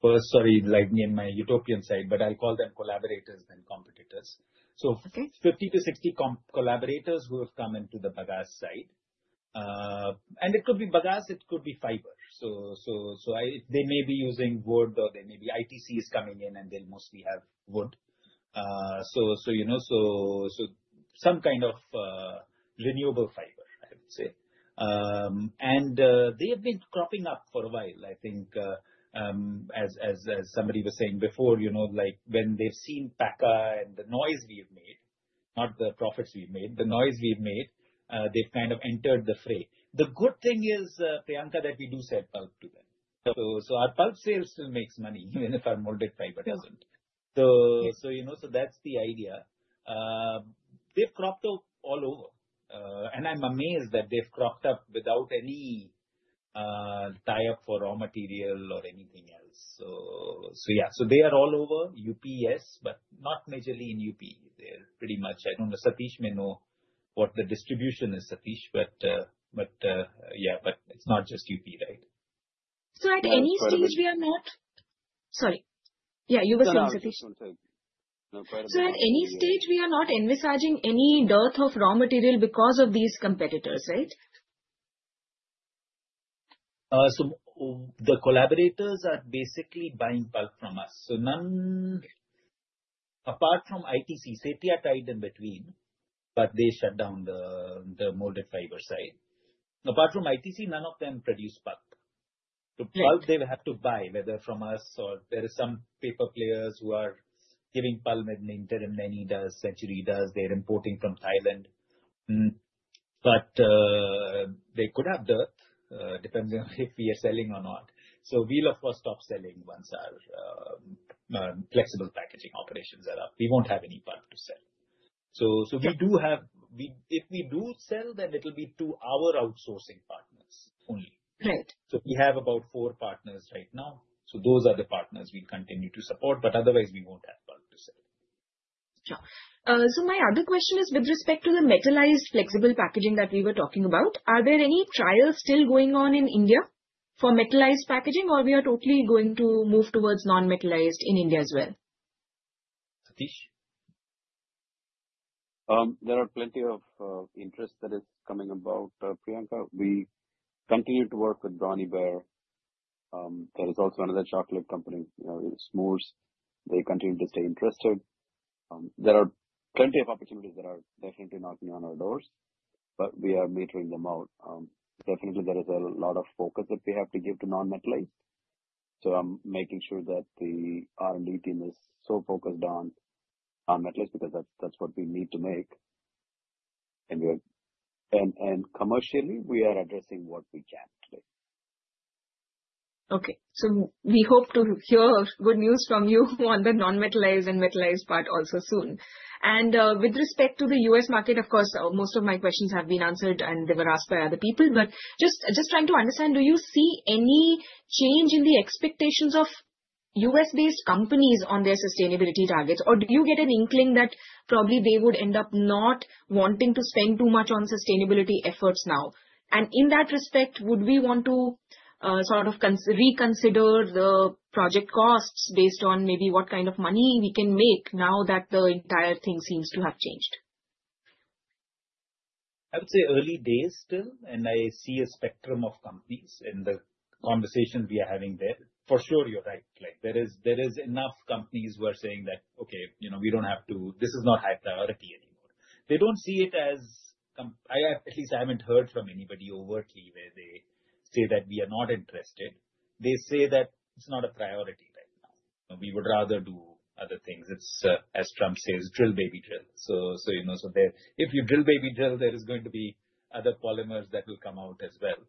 [SPEAKER 2] Sorry to lighten my utopian side, but I'll call them collaborators than competitors. So 50-60 collaborators who have come into the bagasse side. And it could be bagasse, it could be fiber. So I, they may be using wood or they may be ITCs coming in and they'll mostly have wood. So you know, so some kind of renewable fiber, I would say. And they have been cropping up for a while, I think, as somebody was saying before, you know, like when they've seen Pakka and the noise we've made, not the profits we've made, the noise we've made, they've kind of entered the fray. The good thing is, Priyanka, that we do sell pulp to them. So our pulp sale still makes money even if our molded fiber doesn't. So you know, so that's the idea. They've cropped up all over, and I'm amazed that they've cropped up without any tie-up for raw material or anything else. So yeah, so they are all over UP, yes, but not majorly in UP. They're pretty much. I don't know, Satish may know what the distribution is, Satish, but yeah, but it's not just UP, right?
[SPEAKER 10] So, at any stage we are not. Sorry, yeah, you were saying, Satish.
[SPEAKER 2] No, go ahead.
[SPEAKER 10] So at any stage we are not envisaging any dearth of raw material because of these competitors, right?
[SPEAKER 2] So the collaborators are basically buying pulp from us. So none, apart from ITC, Satia tied in between, but they shut down the molded fiber side. Apart from ITC, none of them produce pulp. So pulp they will have to buy, whether from us or there are some paper players who are giving pulp in the interim. Mondi does, Century does. They're importing from Thailand. But they could have dearth, depending on if we are selling or not. So we'll, of course, stop selling once our flexible packaging operations are up. We won't have any pulp to sell. So we do have. If we do sell, then it'll be to our outsourcing partners only.
[SPEAKER 3] Right.
[SPEAKER 2] So we have about four partners right now. So those are the partners we continue to support, but otherwise we won't have pulp to sell.
[SPEAKER 10] Sure. So my other question is with respect to the metallized flexible packaging that we were talking about, are there any trials still going on in India for metallized packaging or we are totally going to move towards non-metallized in India as well?
[SPEAKER 2] Satish?
[SPEAKER 3] There are plenty of interests that are coming about, Priyanka. We continue to work with Brownie Bear. There is also another chocolate company, you know, Smoor. They continue to stay interested. There are plenty of opportunities that are definitely knocking on our doors, but we are metering them out. Definitely there is a lot of focus that we have to give to non-metallized. So I'm making sure that the R&D team is so focused on metallized because that's what we need to make. And we are commercially addressing what we can today.
[SPEAKER 10] Okay. So we hope to hear good news from you on the non-metallized and metallized part also soon. And, with respect to the U.S. market, of course, most of my questions have been answered and they were asked by other people, but just trying to understand, do you see any change in the expectations of U.S.-based companies on their sustainability targets or do you get an inkling that probably they would end up not wanting to spend too much on sustainability efforts now? And in that respect, would we want to, sort of reconsider the project costs based on maybe what kind of money we can make now that the entire thing seems to have changed?
[SPEAKER 2] I would say early days still, and I see a spectrum of companies in the conversation we are having there. For sure, you're right. Like there is enough companies who are saying that, okay, you know, we don't have to, this is not high priority anymore. They don't see it as, I, at least I haven't heard from anybody overtly where they say that we are not interested. They say that it's not a priority right now. We would rather do other things. It's, as Trump says, drill, baby, drill. So, you know, so there, if you drill, baby, drill, there is going to be other polymers that will come out as well.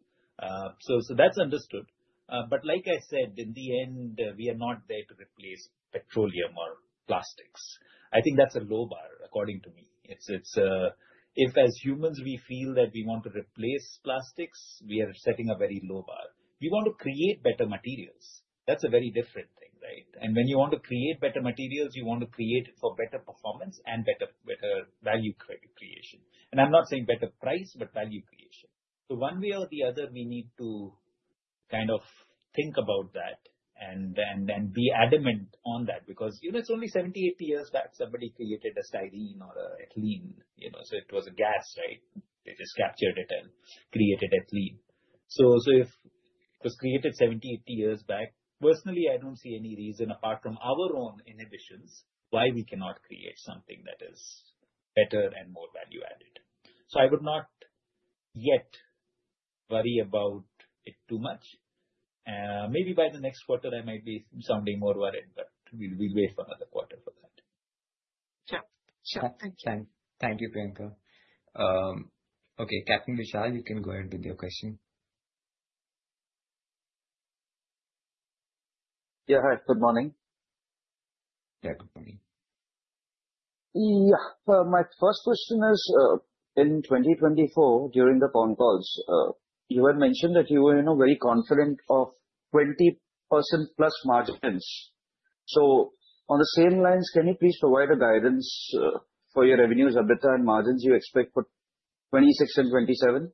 [SPEAKER 2] So that's understood, but like I said, in the end, we are not there to replace petroleum or plastics. I think that's a low bar according to me. It's if as humans we feel that we want to replace plastics, we are setting a very low bar. We want to create better materials. That's a very different thing, right? And when you want to create better materials, you want to create for better performance and better value creation. And I'm not saying better price, but value creation. So one way or the other, we need to kind of think about that and be adamant on that because, you know, it's only 70-80 years back somebody created a styrene or an ethylene, you know, so it was a gas, right? They just captured it and created ethylene. So if it was created 70-80 years back, personally, I don't see any reason apart from our own inhibitions why we cannot create something that is better and more value added. So I would not yet worry about it too much. Maybe by the next quarter I might be sounding more worried, but we'll, we'll wait for another quarter for that.
[SPEAKER 1] Sure. Sure. Thank you. Thank you, Priyanka. Okay, Vishal, you can go ahead with your question.
[SPEAKER 11] Yeah. Hi. Good morning.
[SPEAKER 2] Yeah. Good morning.
[SPEAKER 11] Yeah. My first question is, in 2024 during the phone calls, you had mentioned that you were, you know, very confident of 20%+ margins. So on the same lines, can you please provide a guidance, for your revenues and margins you expect for 2026 and 2027?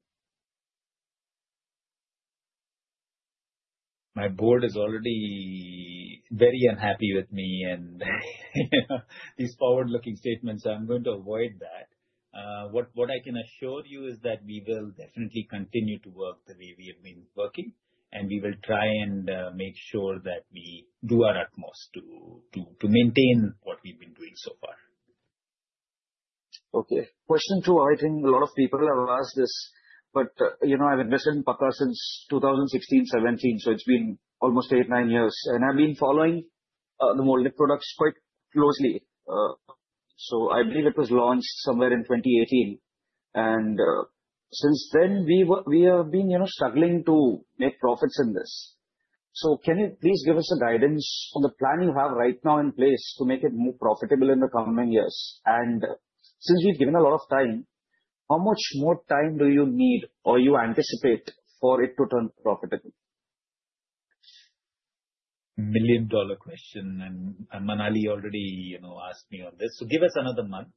[SPEAKER 2] My board is already very unhappy with me and, you know, these forward-looking statements, so I'm going to avoid that. What I can assure you is that we will definitely continue to work the way we have been working and we will try and make sure that we do our utmost to maintain what we've been doing so far.
[SPEAKER 11] Okay. Question two, I think a lot of people have asked this, but, you know, I've invested in Pakka since 2016, 2017, so it's been almost eight, nine years. And I've been following the molded products quite closely. So I believe it was launched somewhere in 2018. And since then we were, we have been, you know, struggling to make profits in this. So can you please give us a guidance on the plan you have right now in place to make it more profitable in the coming years? And since we've given a lot of time, how much more time do you need or you anticipate for it to turn profitable?
[SPEAKER 2] Million dollar question. And Manali already, you know, asked me on this. So give us another month.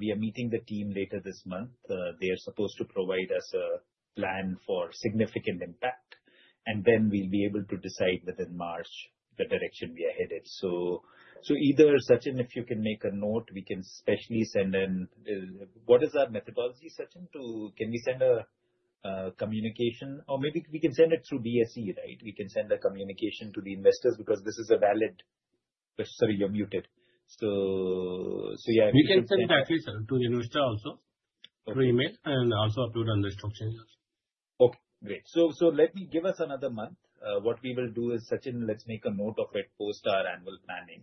[SPEAKER 2] We are meeting the team later this month. They are supposed to provide us a plan for significant impact. And then we'll be able to decide within March the direction we are headed. So either Sachin, if you can make a note, we can especially send in what is our methodology, Sachin, to can we send a communication or maybe we can send it through BSE, right? We can send a communication to the investors because this is a valid question. Sorry, you're muted. So yeah.
[SPEAKER 3] We can send it actually, sir, to the investor also through email and also upload on the stock exchange.
[SPEAKER 2] Okay. Great. So let me give us another month. What we will do is, Sachin, let's make a note of it post our annual planning,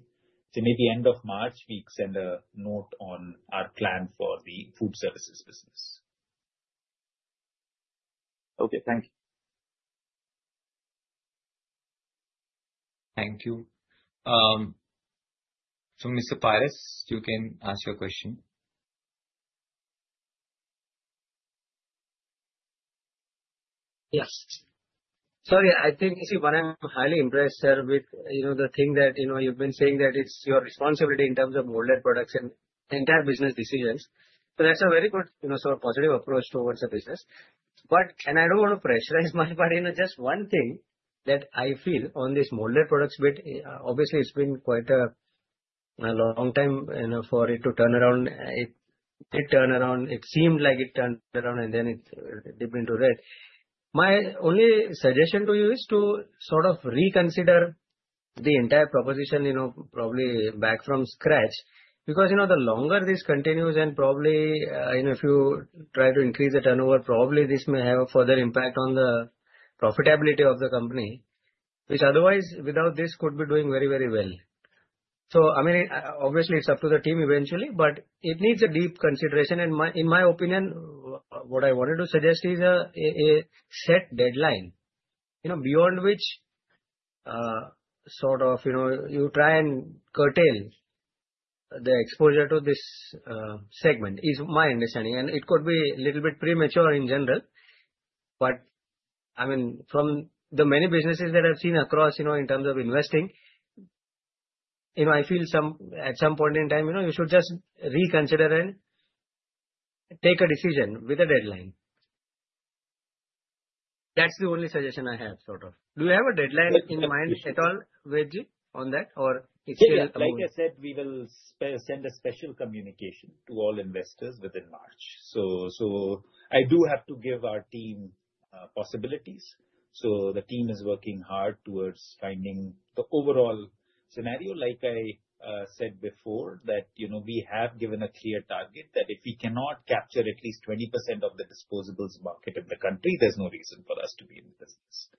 [SPEAKER 2] so maybe end of March, we send a note on our plan for the food services business.
[SPEAKER 11] Okay. Thank you.
[SPEAKER 1] Thank you. So Mr. Paras, you can ask your question.
[SPEAKER 6] Yes. Sorry, I think you see what I'm highly impressed, sir, with, you know, the thing that, you know, you've been saying that it's your responsibility in terms of molded products and entire business decisions. So that's a very good, you know, sort of positive approach towards the business. But, and I don't want to pressurize my part, you know, just one thing that I feel on this molded products bit, obviously it's been quite a long time, you know, for it to turn around. It did turn around. It seemed like it turned around and then it dipped into red. My only suggestion to you is to sort of reconsider the entire proposition, you know, probably back from scratch because, you know, the longer this continues and probably, you know, if you try to increase the turnover, probably this may have a further impact on the profitability of the company, which otherwise without this could be doing very, very well. So, I mean, obviously it's up to the team eventually, but it needs a deep consideration. And, in my opinion, what I wanted to suggest is a set deadline, you know, beyond which, sort of, you know, you try and curtail the exposure to this segment is my understanding. It could be a little bit premature in general, but I mean, from the many businesses that I've seen across, you know, in terms of investing, you know, I feel some at some point in time, you know, you should just reconsider and take a decision with a deadline. That's the only suggestion I have, sort of. Do you have a deadline in mind at all, Ved, on that, or it's still?
[SPEAKER 2] Like I said, we will send a special communication to all investors within March. I do have to give our team possibilities. The team is working hard towards finding the overall scenario. Like I said before that, you know, we have given a clear target that if we cannot capture at least 20% of the disposables market of the country, there's no reason for us to be in the business.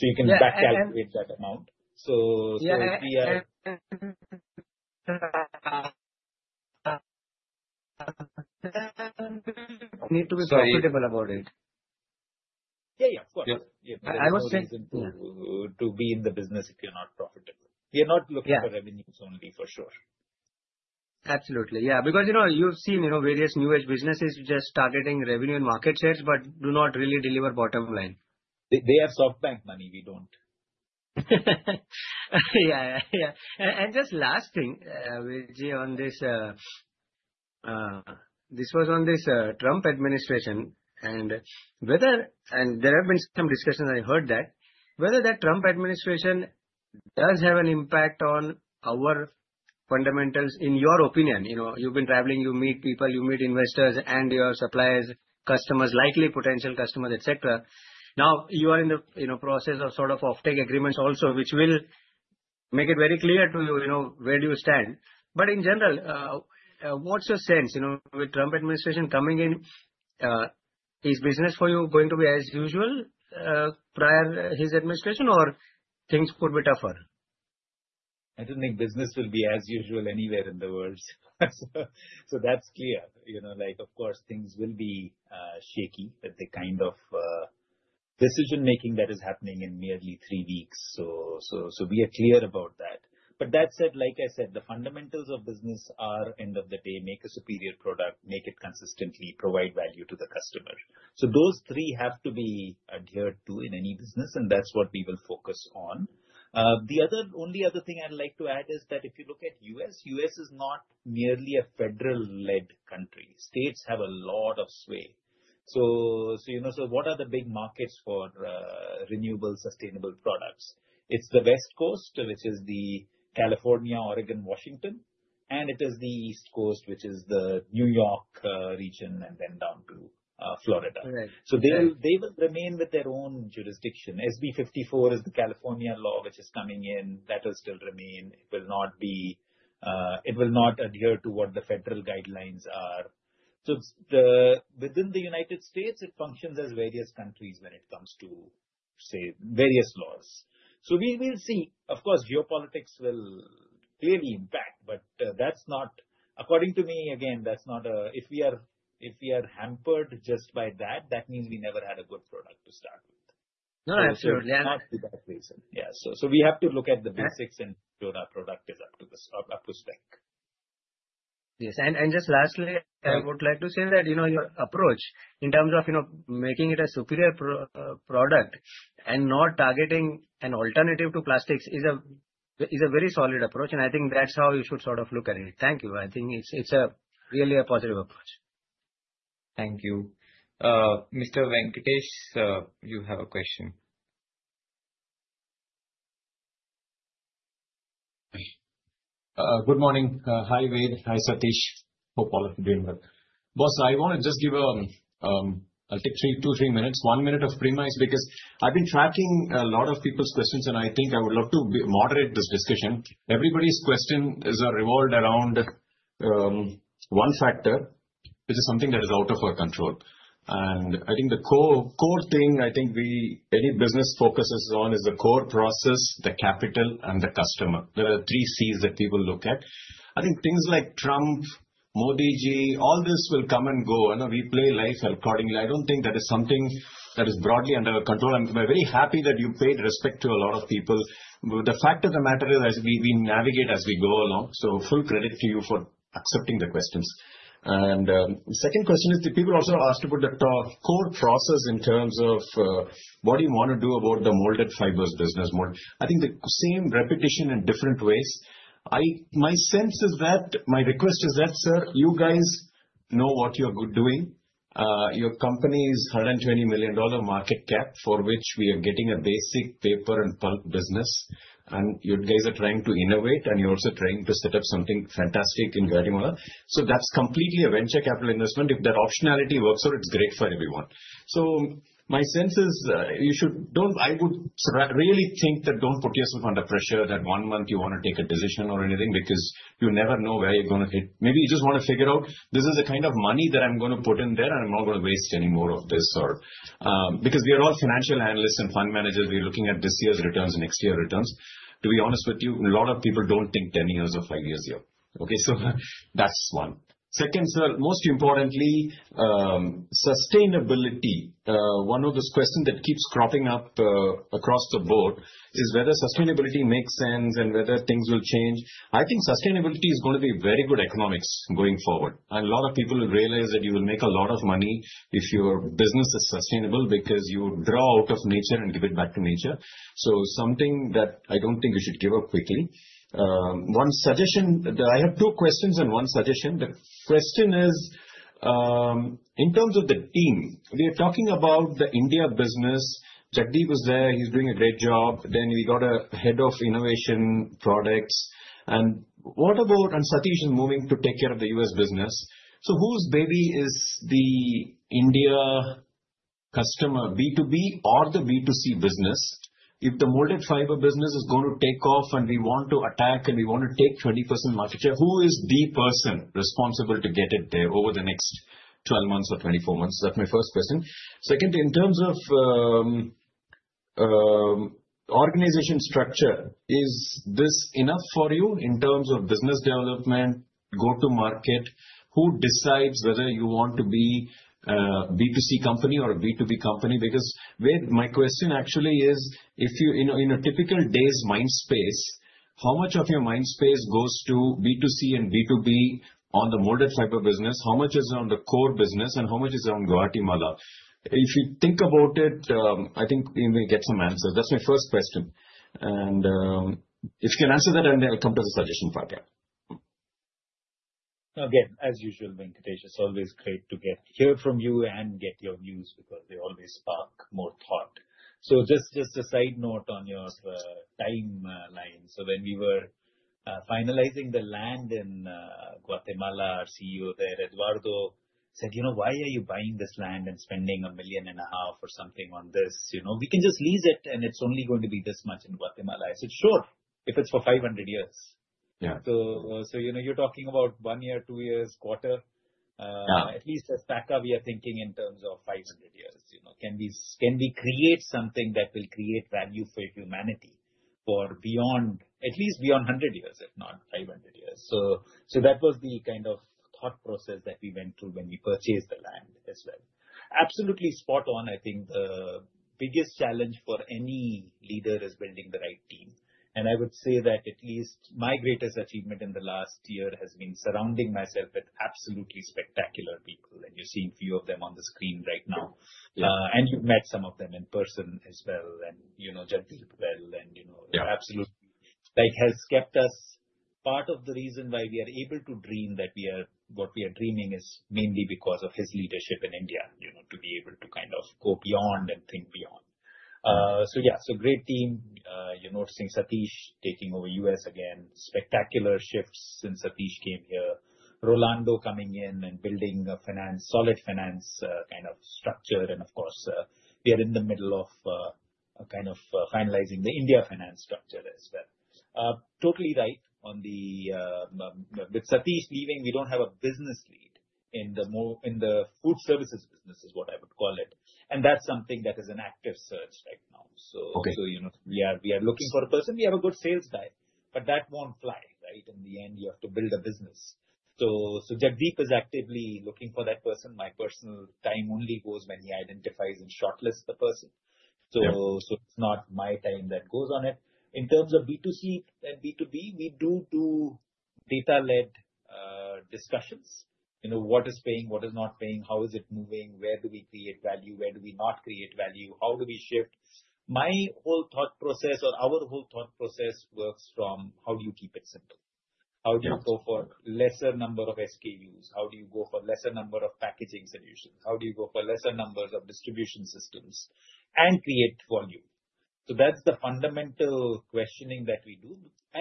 [SPEAKER 2] You can back calculate that amount. If we are.
[SPEAKER 6] Need to be profitable about it.
[SPEAKER 2] Yeah. Yeah. Of course.
[SPEAKER 6] Yeah.
[SPEAKER 2] Yeah. I would say to be in the business if you're not profitable. We are not looking for revenues only for sure.
[SPEAKER 6] Absolutely. Yeah. Because, you know, you've seen, you know, various new-age businesses just targeting revenue and market shares, but do not really deliver bottom line.
[SPEAKER 2] They have SoftBank money. We don't.
[SPEAKER 6] Yeah. Yeah. And just last thing, Ved, on this, this was on this, Trump administration and whether, and there have been some discussions, I heard that whether that Trump administration does have an impact on our fundamentals in your opinion, you know, you've been traveling, you meet people, you meet investors and your suppliers, customers, likely potential customers, etc. Now you are in the, you know, process of sort of offtake agreements also, which will make it very clear to you, you know, where do you stand. But in general, what's your sense, you know, with Trump administration coming in, is business for you going to be as usual, prior his administration or things could be tougher?
[SPEAKER 2] I don't think business will be as usual anywhere in the world. So that's clear. You know, like, of course, things will be shaky with the kind of decision-making that is happening in merely three weeks. So we are clear about that. But that said, like I said, the fundamentals of business are at the end of the day, make a superior product, make it consistently, provide value to the customer. So those three have to be adhered to in any business, and that's what we will focus on. The only other thing I'd like to add is that if you look at the U.S., the U.S. is not merely a federal-led country. States have a lot of sway. So you know, what are the big markets for renewable sustainable products? It's the West Coast, which is California, Oregon, Washington. It is the East Coast, which is the New York region and then down to Florida. So they will, they will remain with their own jurisdiction. SB 54 is the California law, which is coming in that will still remain. It will not be, it will not adhere to what the federal guidelines are. So the within the United States, it functions as various countries when it comes to say various laws. So we, we'll see. Of course, geopolitics will clearly impact, but that's not, according to me, again, that's not a, if we are, if we are hampered just by that, that means we never had a good product to start with.
[SPEAKER 6] No, absolutely.
[SPEAKER 2] Not for that reason. Yeah. So, we have to look at the basics and build our product up to spec.
[SPEAKER 6] Yes. And just lastly, I would like to say that, you know, your approach in terms of, you know, making it a superior product and not targeting an alternative to plastics is a very solid approach. And I think that's how you should sort of look at it. Thank you. I think it's a really positive approach.
[SPEAKER 1] Thank you. Mr. Venkatesh, you have a question.
[SPEAKER 12] Good morning. Hi, Ved. Hi, Satish. Hope all of you are doing well. Boss, I want to just give a, I'll take three, two, three minutes, one minute of premise because I've been tracking a lot of people's questions and I think I would love to moderate this discussion. Everybody's question is revolved around, one factor, which is something that is out of our control. And I think the core, core thing I think we, any business focuses on is the core process, the capital, and the customer. There are three Cs that people look at. I think things like Trump, Modi, all this will come and go. I know we play life accordingly. I don't think that is something that is broadly under our control. I'm very happy that you paid respect to a lot of people. The fact of the matter is as we navigate as we go along. So full credit to you for accepting the questions. The second question is the people also asked about the core process in terms of what do you want to do about the molded fibers business mode? I think the same repetition in different ways. My sense is that my request is that, sir, you guys know what you're good doing. Your company is $120 million market cap for which we are getting a basic paper and pulp business. You guys are trying to innovate and you're also trying to set up something fantastic in Guatemala. So that's completely a venture capital investment. If that optionality works out, it's great for everyone. So, my sense is you should don't. I would really think that don't put yourself under pressure that one month you want to take a decision or anything because you never know where you're going to hit. Maybe you just want to figure out this is the kind of money that I'm going to put in there and I'm not going to waste any more of this or, because we are all financial analysts and fund managers. We are looking at this year's returns and next year's returns. To be honest with you, a lot of people don't think 10 years or five years yet. Okay. So that's one. Second, sir, most importantly, sustainability, one of those questions that keeps cropping up across the board, is whether sustainability makes sense and whether things will change. I think sustainability is going to be very good economics going forward. A lot of people will realize that you will make a lot of money if your business is sustainable because you draw out of nature and give it back to nature. Something that I don't think you should give up quickly. One suggestion, I have two questions and one suggestion. The question is, in terms of the team, we are talking about the India business. Jagdeep was there. He's doing a great job. We got a head of innovation products. What about Satish moving to take care of the U.S. business? Whose baby is the India customer B2B or the B2C business? If the molded fiber business is going to take off and we want to attack and we want to take 20% market share, who is the person responsible to get it there over the next 12 months or 24 months? That's my first question. Second, in terms of organization structure, is this enough for you in terms of business development, go-to-market? Who decides whether you want to be a B2C company or a B2B company? Because my question actually is, if you, in a, in a typical day's mind space, how much of your mind space goes to B2C and B2B on the molded fiber business? How much is on the core business and how much is on Guatemala? If you think about it, I think you may get some answers. That's my first question. And, if you can answer that and then I'll come to the suggestion part. Yeah.
[SPEAKER 2] Again, as usual, Venkatesh, it's always great to get to hear from you and get your views because they always spark more thought. So just a side note on your timeline. So when we were finalizing the land in Guatemala, our CEO there, Eduardo, said, you know, why are you buying this land and spending $1.5 million or something on this? You know, we can just lease it and it's only going to be this much in Guatemala. I said, sure, if it's for 500 years.
[SPEAKER 12] Yeah.
[SPEAKER 2] So, you know, you're talking about one year, two years, quarter. At least as Pakka, we are thinking in terms of 500 years, you know. Can we create something that will create value for humanity for beyond, at least beyond a hundred years, if not 500 years? So that was the kind of thought process that we went through when we purchased the land as well. Absolutely spot on. I think the biggest challenge for any leader is building the right team. And I would say that at least my greatest achievement in the last year has been surrounding myself with absolutely spectacular people. And you're seeing a few of them on the screen right now. And you've met some of them in person as well. And, you know, Jagdeep well and, you know, absolutely like has kept us part of the reason why we are able to dream that we are, what we are dreaming is mainly because of his leadership in India, you know, to be able to kind of go beyond and think beyond. So yeah, so great team. You're noticing Satish taking over U.S. again, spectacular shifts since Satish came here, Rolando coming in and building a finance, solid finance, kind of structure. And of course, we are in the middle of, kind of, finalizing the India finance structure as well. Totally right on the, with Satish leaving, we don't have a business lead in the food services business is what I would call it. And that's something that is an active search right now. So, you know, we are looking for a person. We have a good sales guy, but that won't fly, right? In the end, you have to build a business. So Jagdeep is actively looking for that person. My personal time only goes when he identifies and shortlists the person. So it's not my time that goes on it. In terms of B2C and B2B, we do data-led discussions, you know, what is paying, what is not paying, how is it moving, where do we create value, where do we not create value, how do we shift. My whole thought process or our whole thought process works from how do you keep it simple? How do you go for lesser number of SKUs? How do you go for lesser number of packaging solutions? How do you go for lesser numbers of distribution systems and create volume? So that's the fundamental questioning that we do.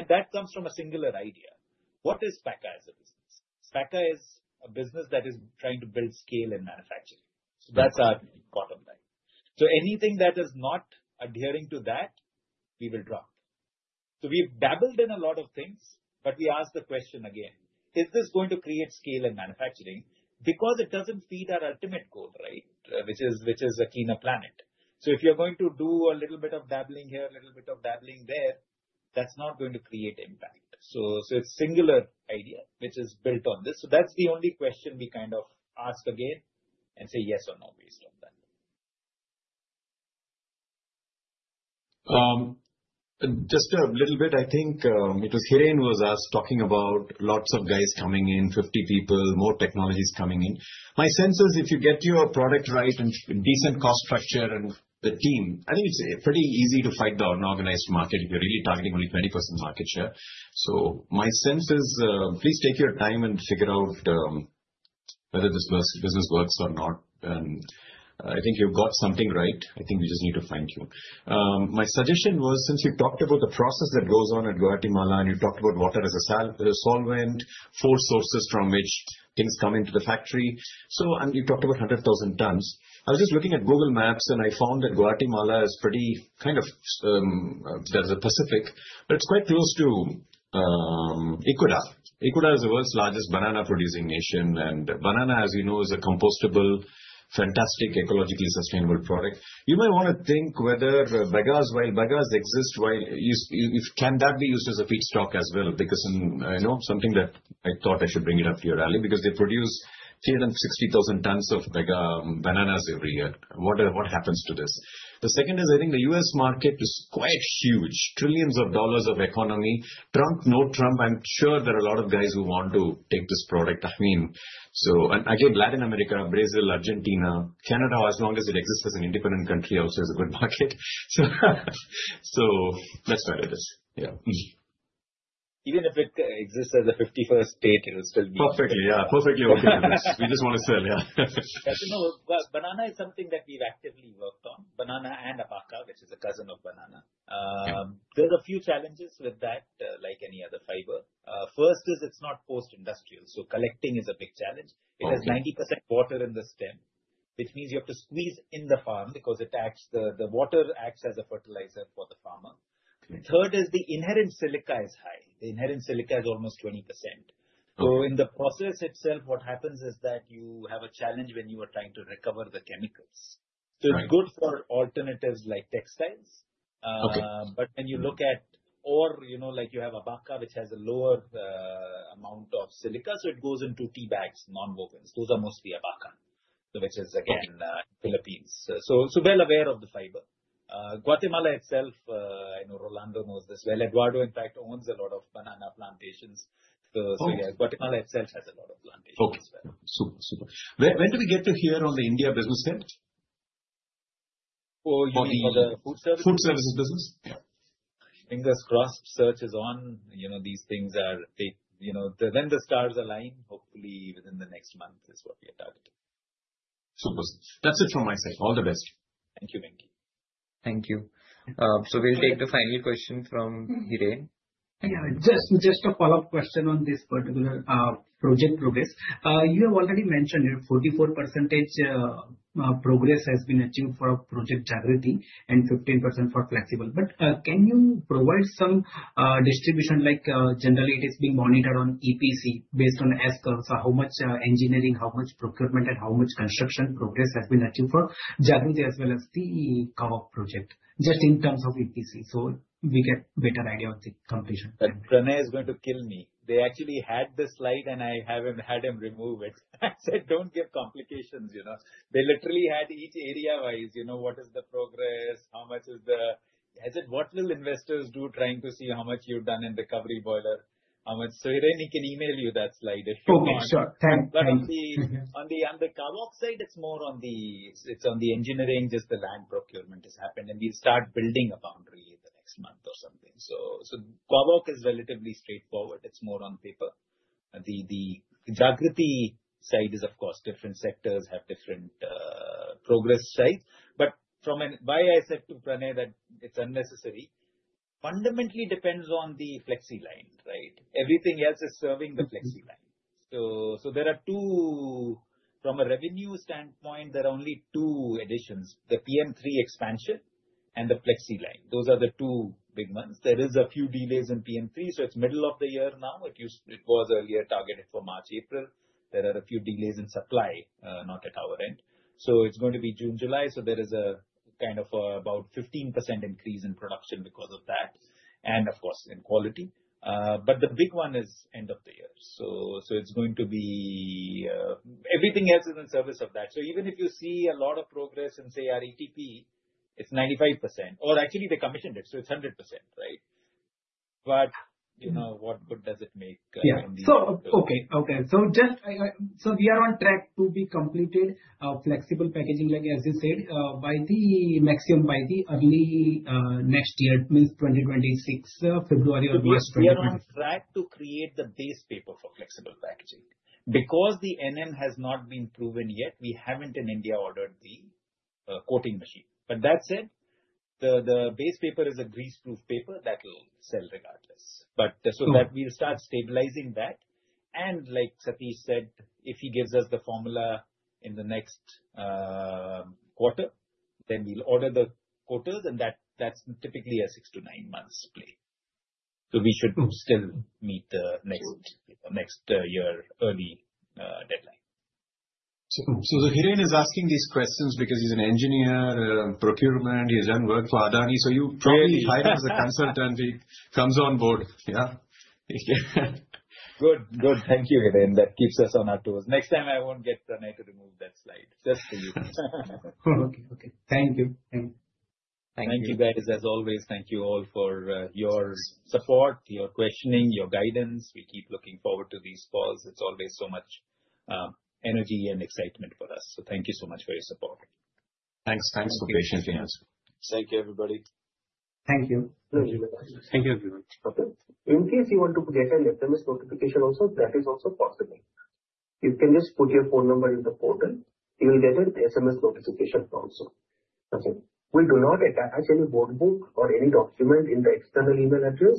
[SPEAKER 2] That comes from a singular idea. What is Pakka as a business? Pakka is a business that is trying to build scale in manufacturing. So that's our bottom line. So anything that is not adhering to that, we will drop. So we've dabbled in a lot of things, but we ask the question again, is this going to create scale in manufacturing? Because it doesn't feed our ultimate goal, right? Which is, which is a cleaner planet. So if you're going to do a little bit of dabbling here, a little bit of dabbling there, that's not going to create impact. So, so it's a singular idea, which is built on this. So that's the only question we kind of ask again and say yes or no based on that.
[SPEAKER 12] Just a little bit, I think. It was Hiren who was asked, talking about lots of guys coming in, 50 people, more technologies coming in. My sense is if you get your product right and decent cost structure and the team, I think it's pretty easy to fight the unorganized market if you're really targeting only 20% market share. So my sense is, please take your time and figure out whether this business works or not. And I think you've got something right. I think we just need to fine-tune. My suggestion was, since you talked about the process that goes on at Guatemala and you talked about water as a solvent, four sources from which things come into the factory. So and you talked about 100,000 tons. I was just looking at Google Maps and I found that Guatemala is pretty kind of; there's a Pacific, but it's quite close to Ecuador. Ecuador is the world's largest banana-producing nation. And banana, as you know, is a compostable, fantastic, ecologically sustainable product. You may want to think whether bagasse, while bagasse exists, while you can that be used as a feedstock as well? Because in, you know, something that I thought I should bring it up to your radar because they produce 360,000 tons of bananas every year. What happens to this? The second is, I think the U.S. market is quite huge, trillions of dollars of economy. Trump, no Trump, I'm sure there are a lot of guys who want to take this product. I mean, so, and again, Latin America, Brazil, Argentina, Canada, as long as it exists as an independent country, also has a good market. So, so that's what it is. Yeah.
[SPEAKER 2] Even if it exists as a 51st state, it'll still be.
[SPEAKER 12] Perfectly. Yeah. Perfectly. We just want to sell. Yeah.
[SPEAKER 2] You know, banana is something that we've actively worked on, banana and Abaca, which is a cousin of banana. There's a few challenges with that, like any other fiber. First is it's not post-industrial. So collecting is a big challenge. It has 90% water in the stem, which means you have to squeeze in the farm because it acts, the water acts as a fertilizer for the farmer. Third is the inherent silica is high. The inherent silica is almost 20%. So in the process itself, what happens is that you have a challenge when you are trying to recover the chemicals. So it's good for alternatives like textiles. But when you look at, or, you know, like you have an Abaca, which has a lower amount of silica. So it goes into tea bags, non-wovens. Those are mostly an Abaca, which is again, Philippines. So well aware of the fiber. Guatemala itself, I know Rolando knows this well. Eduardo, in fact, owns a lot of banana plantations. So yeah, Guatemala itself has a lot of plantations as well.
[SPEAKER 12] Super. Where, when do we get to hear on the India business end?
[SPEAKER 2] For the food services business?
[SPEAKER 12] Food services business. Yeah.
[SPEAKER 2] Fingers crossed, search is on. You know, these things take, you know, when the stars align, hopefully within the next month is what we are targeting.
[SPEAKER 12] Super. That's it from my side. All the best.
[SPEAKER 2] Thank you, Venki.
[SPEAKER 1] Thank you. So we'll take the final question from Hiren.
[SPEAKER 9] Yeah. Just, just a follow-up question on this particular project progress. You have already mentioned 44% progress has been achieved for Project Jagriti and 15% for flexible. But, can you provide some distribution like, generally it is being monitored on EPC based on S-curves, how much engineering, how much procurement, and how much construction progress has been achieved for Project Jagriti as well as the Project Kawok, just in terms of EPC? So we get a better idea of the completion.
[SPEAKER 2] Rana is going to kill me. They actually had the slide and I haven't had him remove it. I said, don't give complications, you know? They literally had each area-wise, you know, what is the progress? How much is the, has it, what will investors do trying to see how much you've done in recovery boiler? How much? So Hiren, he can email you that slide.
[SPEAKER 9] Oh my God. Thank you.
[SPEAKER 2] On the Kawok side, it's more on the engineering. Just the land procurement has happened and we'll start building a boundary in the next month or something. So Kawok is relatively straightforward. It's more on paper. The Jagriti side is, of course, different sectors have different progress sides. But from why I said to Pranay that it's unnecessary, fundamentally depends on the flexi line, right? Everything else is serving the flexi line. So there are two. From a revenue standpoint, there are only two additions, the PM3 expansion and the flexi line. Those are the two big ones. There are a few delays in PM3. So it's middle of the year now. It was earlier targeted for March, April. There are a few delays in supply, not at our end. So it's going to be June, July. So there is a kind of about 15% increase in production because of that. And of course in quality. But the big one is end of the year. So, so it's going to be, everything else is in service of that. So even if you see a lot of progress and say our ETP, it's 95% or actually they commissioned it, so it's 100%, right? But you know, what good does it make from the?
[SPEAKER 9] Yeah. So we are on track to be completed flexible packaging, like as you said, by the maximum by early next year, means 2026, February or March.
[SPEAKER 2] We are on track to create the base paper for flexible packaging because the NM has not been proven yet. We haven't in India ordered the coating machine. But that said, the base paper is a grease-proof paper that'll sell regardless. But so that we'll start stabilizing that. And like Satish said, if he gives us the formula in the next quarter, then we'll order the coaters and that's typically a six to nine months play. So we should still meet the next year early deadline.
[SPEAKER 1] Hiren is asking these questions because he's an engineer in procurement. He has done work for Adani. You probably hired him as a consultant. He comes on board. Yeah.
[SPEAKER 2] Good. Good. Thank you, Hiren. That keeps us on our toes. Next time I won't get Pranay to remove that slide. Just for you.
[SPEAKER 9] Okay. Thank you.
[SPEAKER 2] Thank you, guys. As always, thank you all for your support, your questioning, your guidance. We keep looking forward to these calls. It's always so much energy and excitement for us. So thank you so much for your support.
[SPEAKER 1] Thanks. Thanks for patiently answering.
[SPEAKER 2] Thank you, everybody.
[SPEAKER 4] Thank you.
[SPEAKER 3] Thank you, everyone. In case you want to get an SMS notification also, that is also possible. You can just put your phone number in the portal. You'll get an SMS notification also. Okay. We do not attach any workbook or any document in the external email address.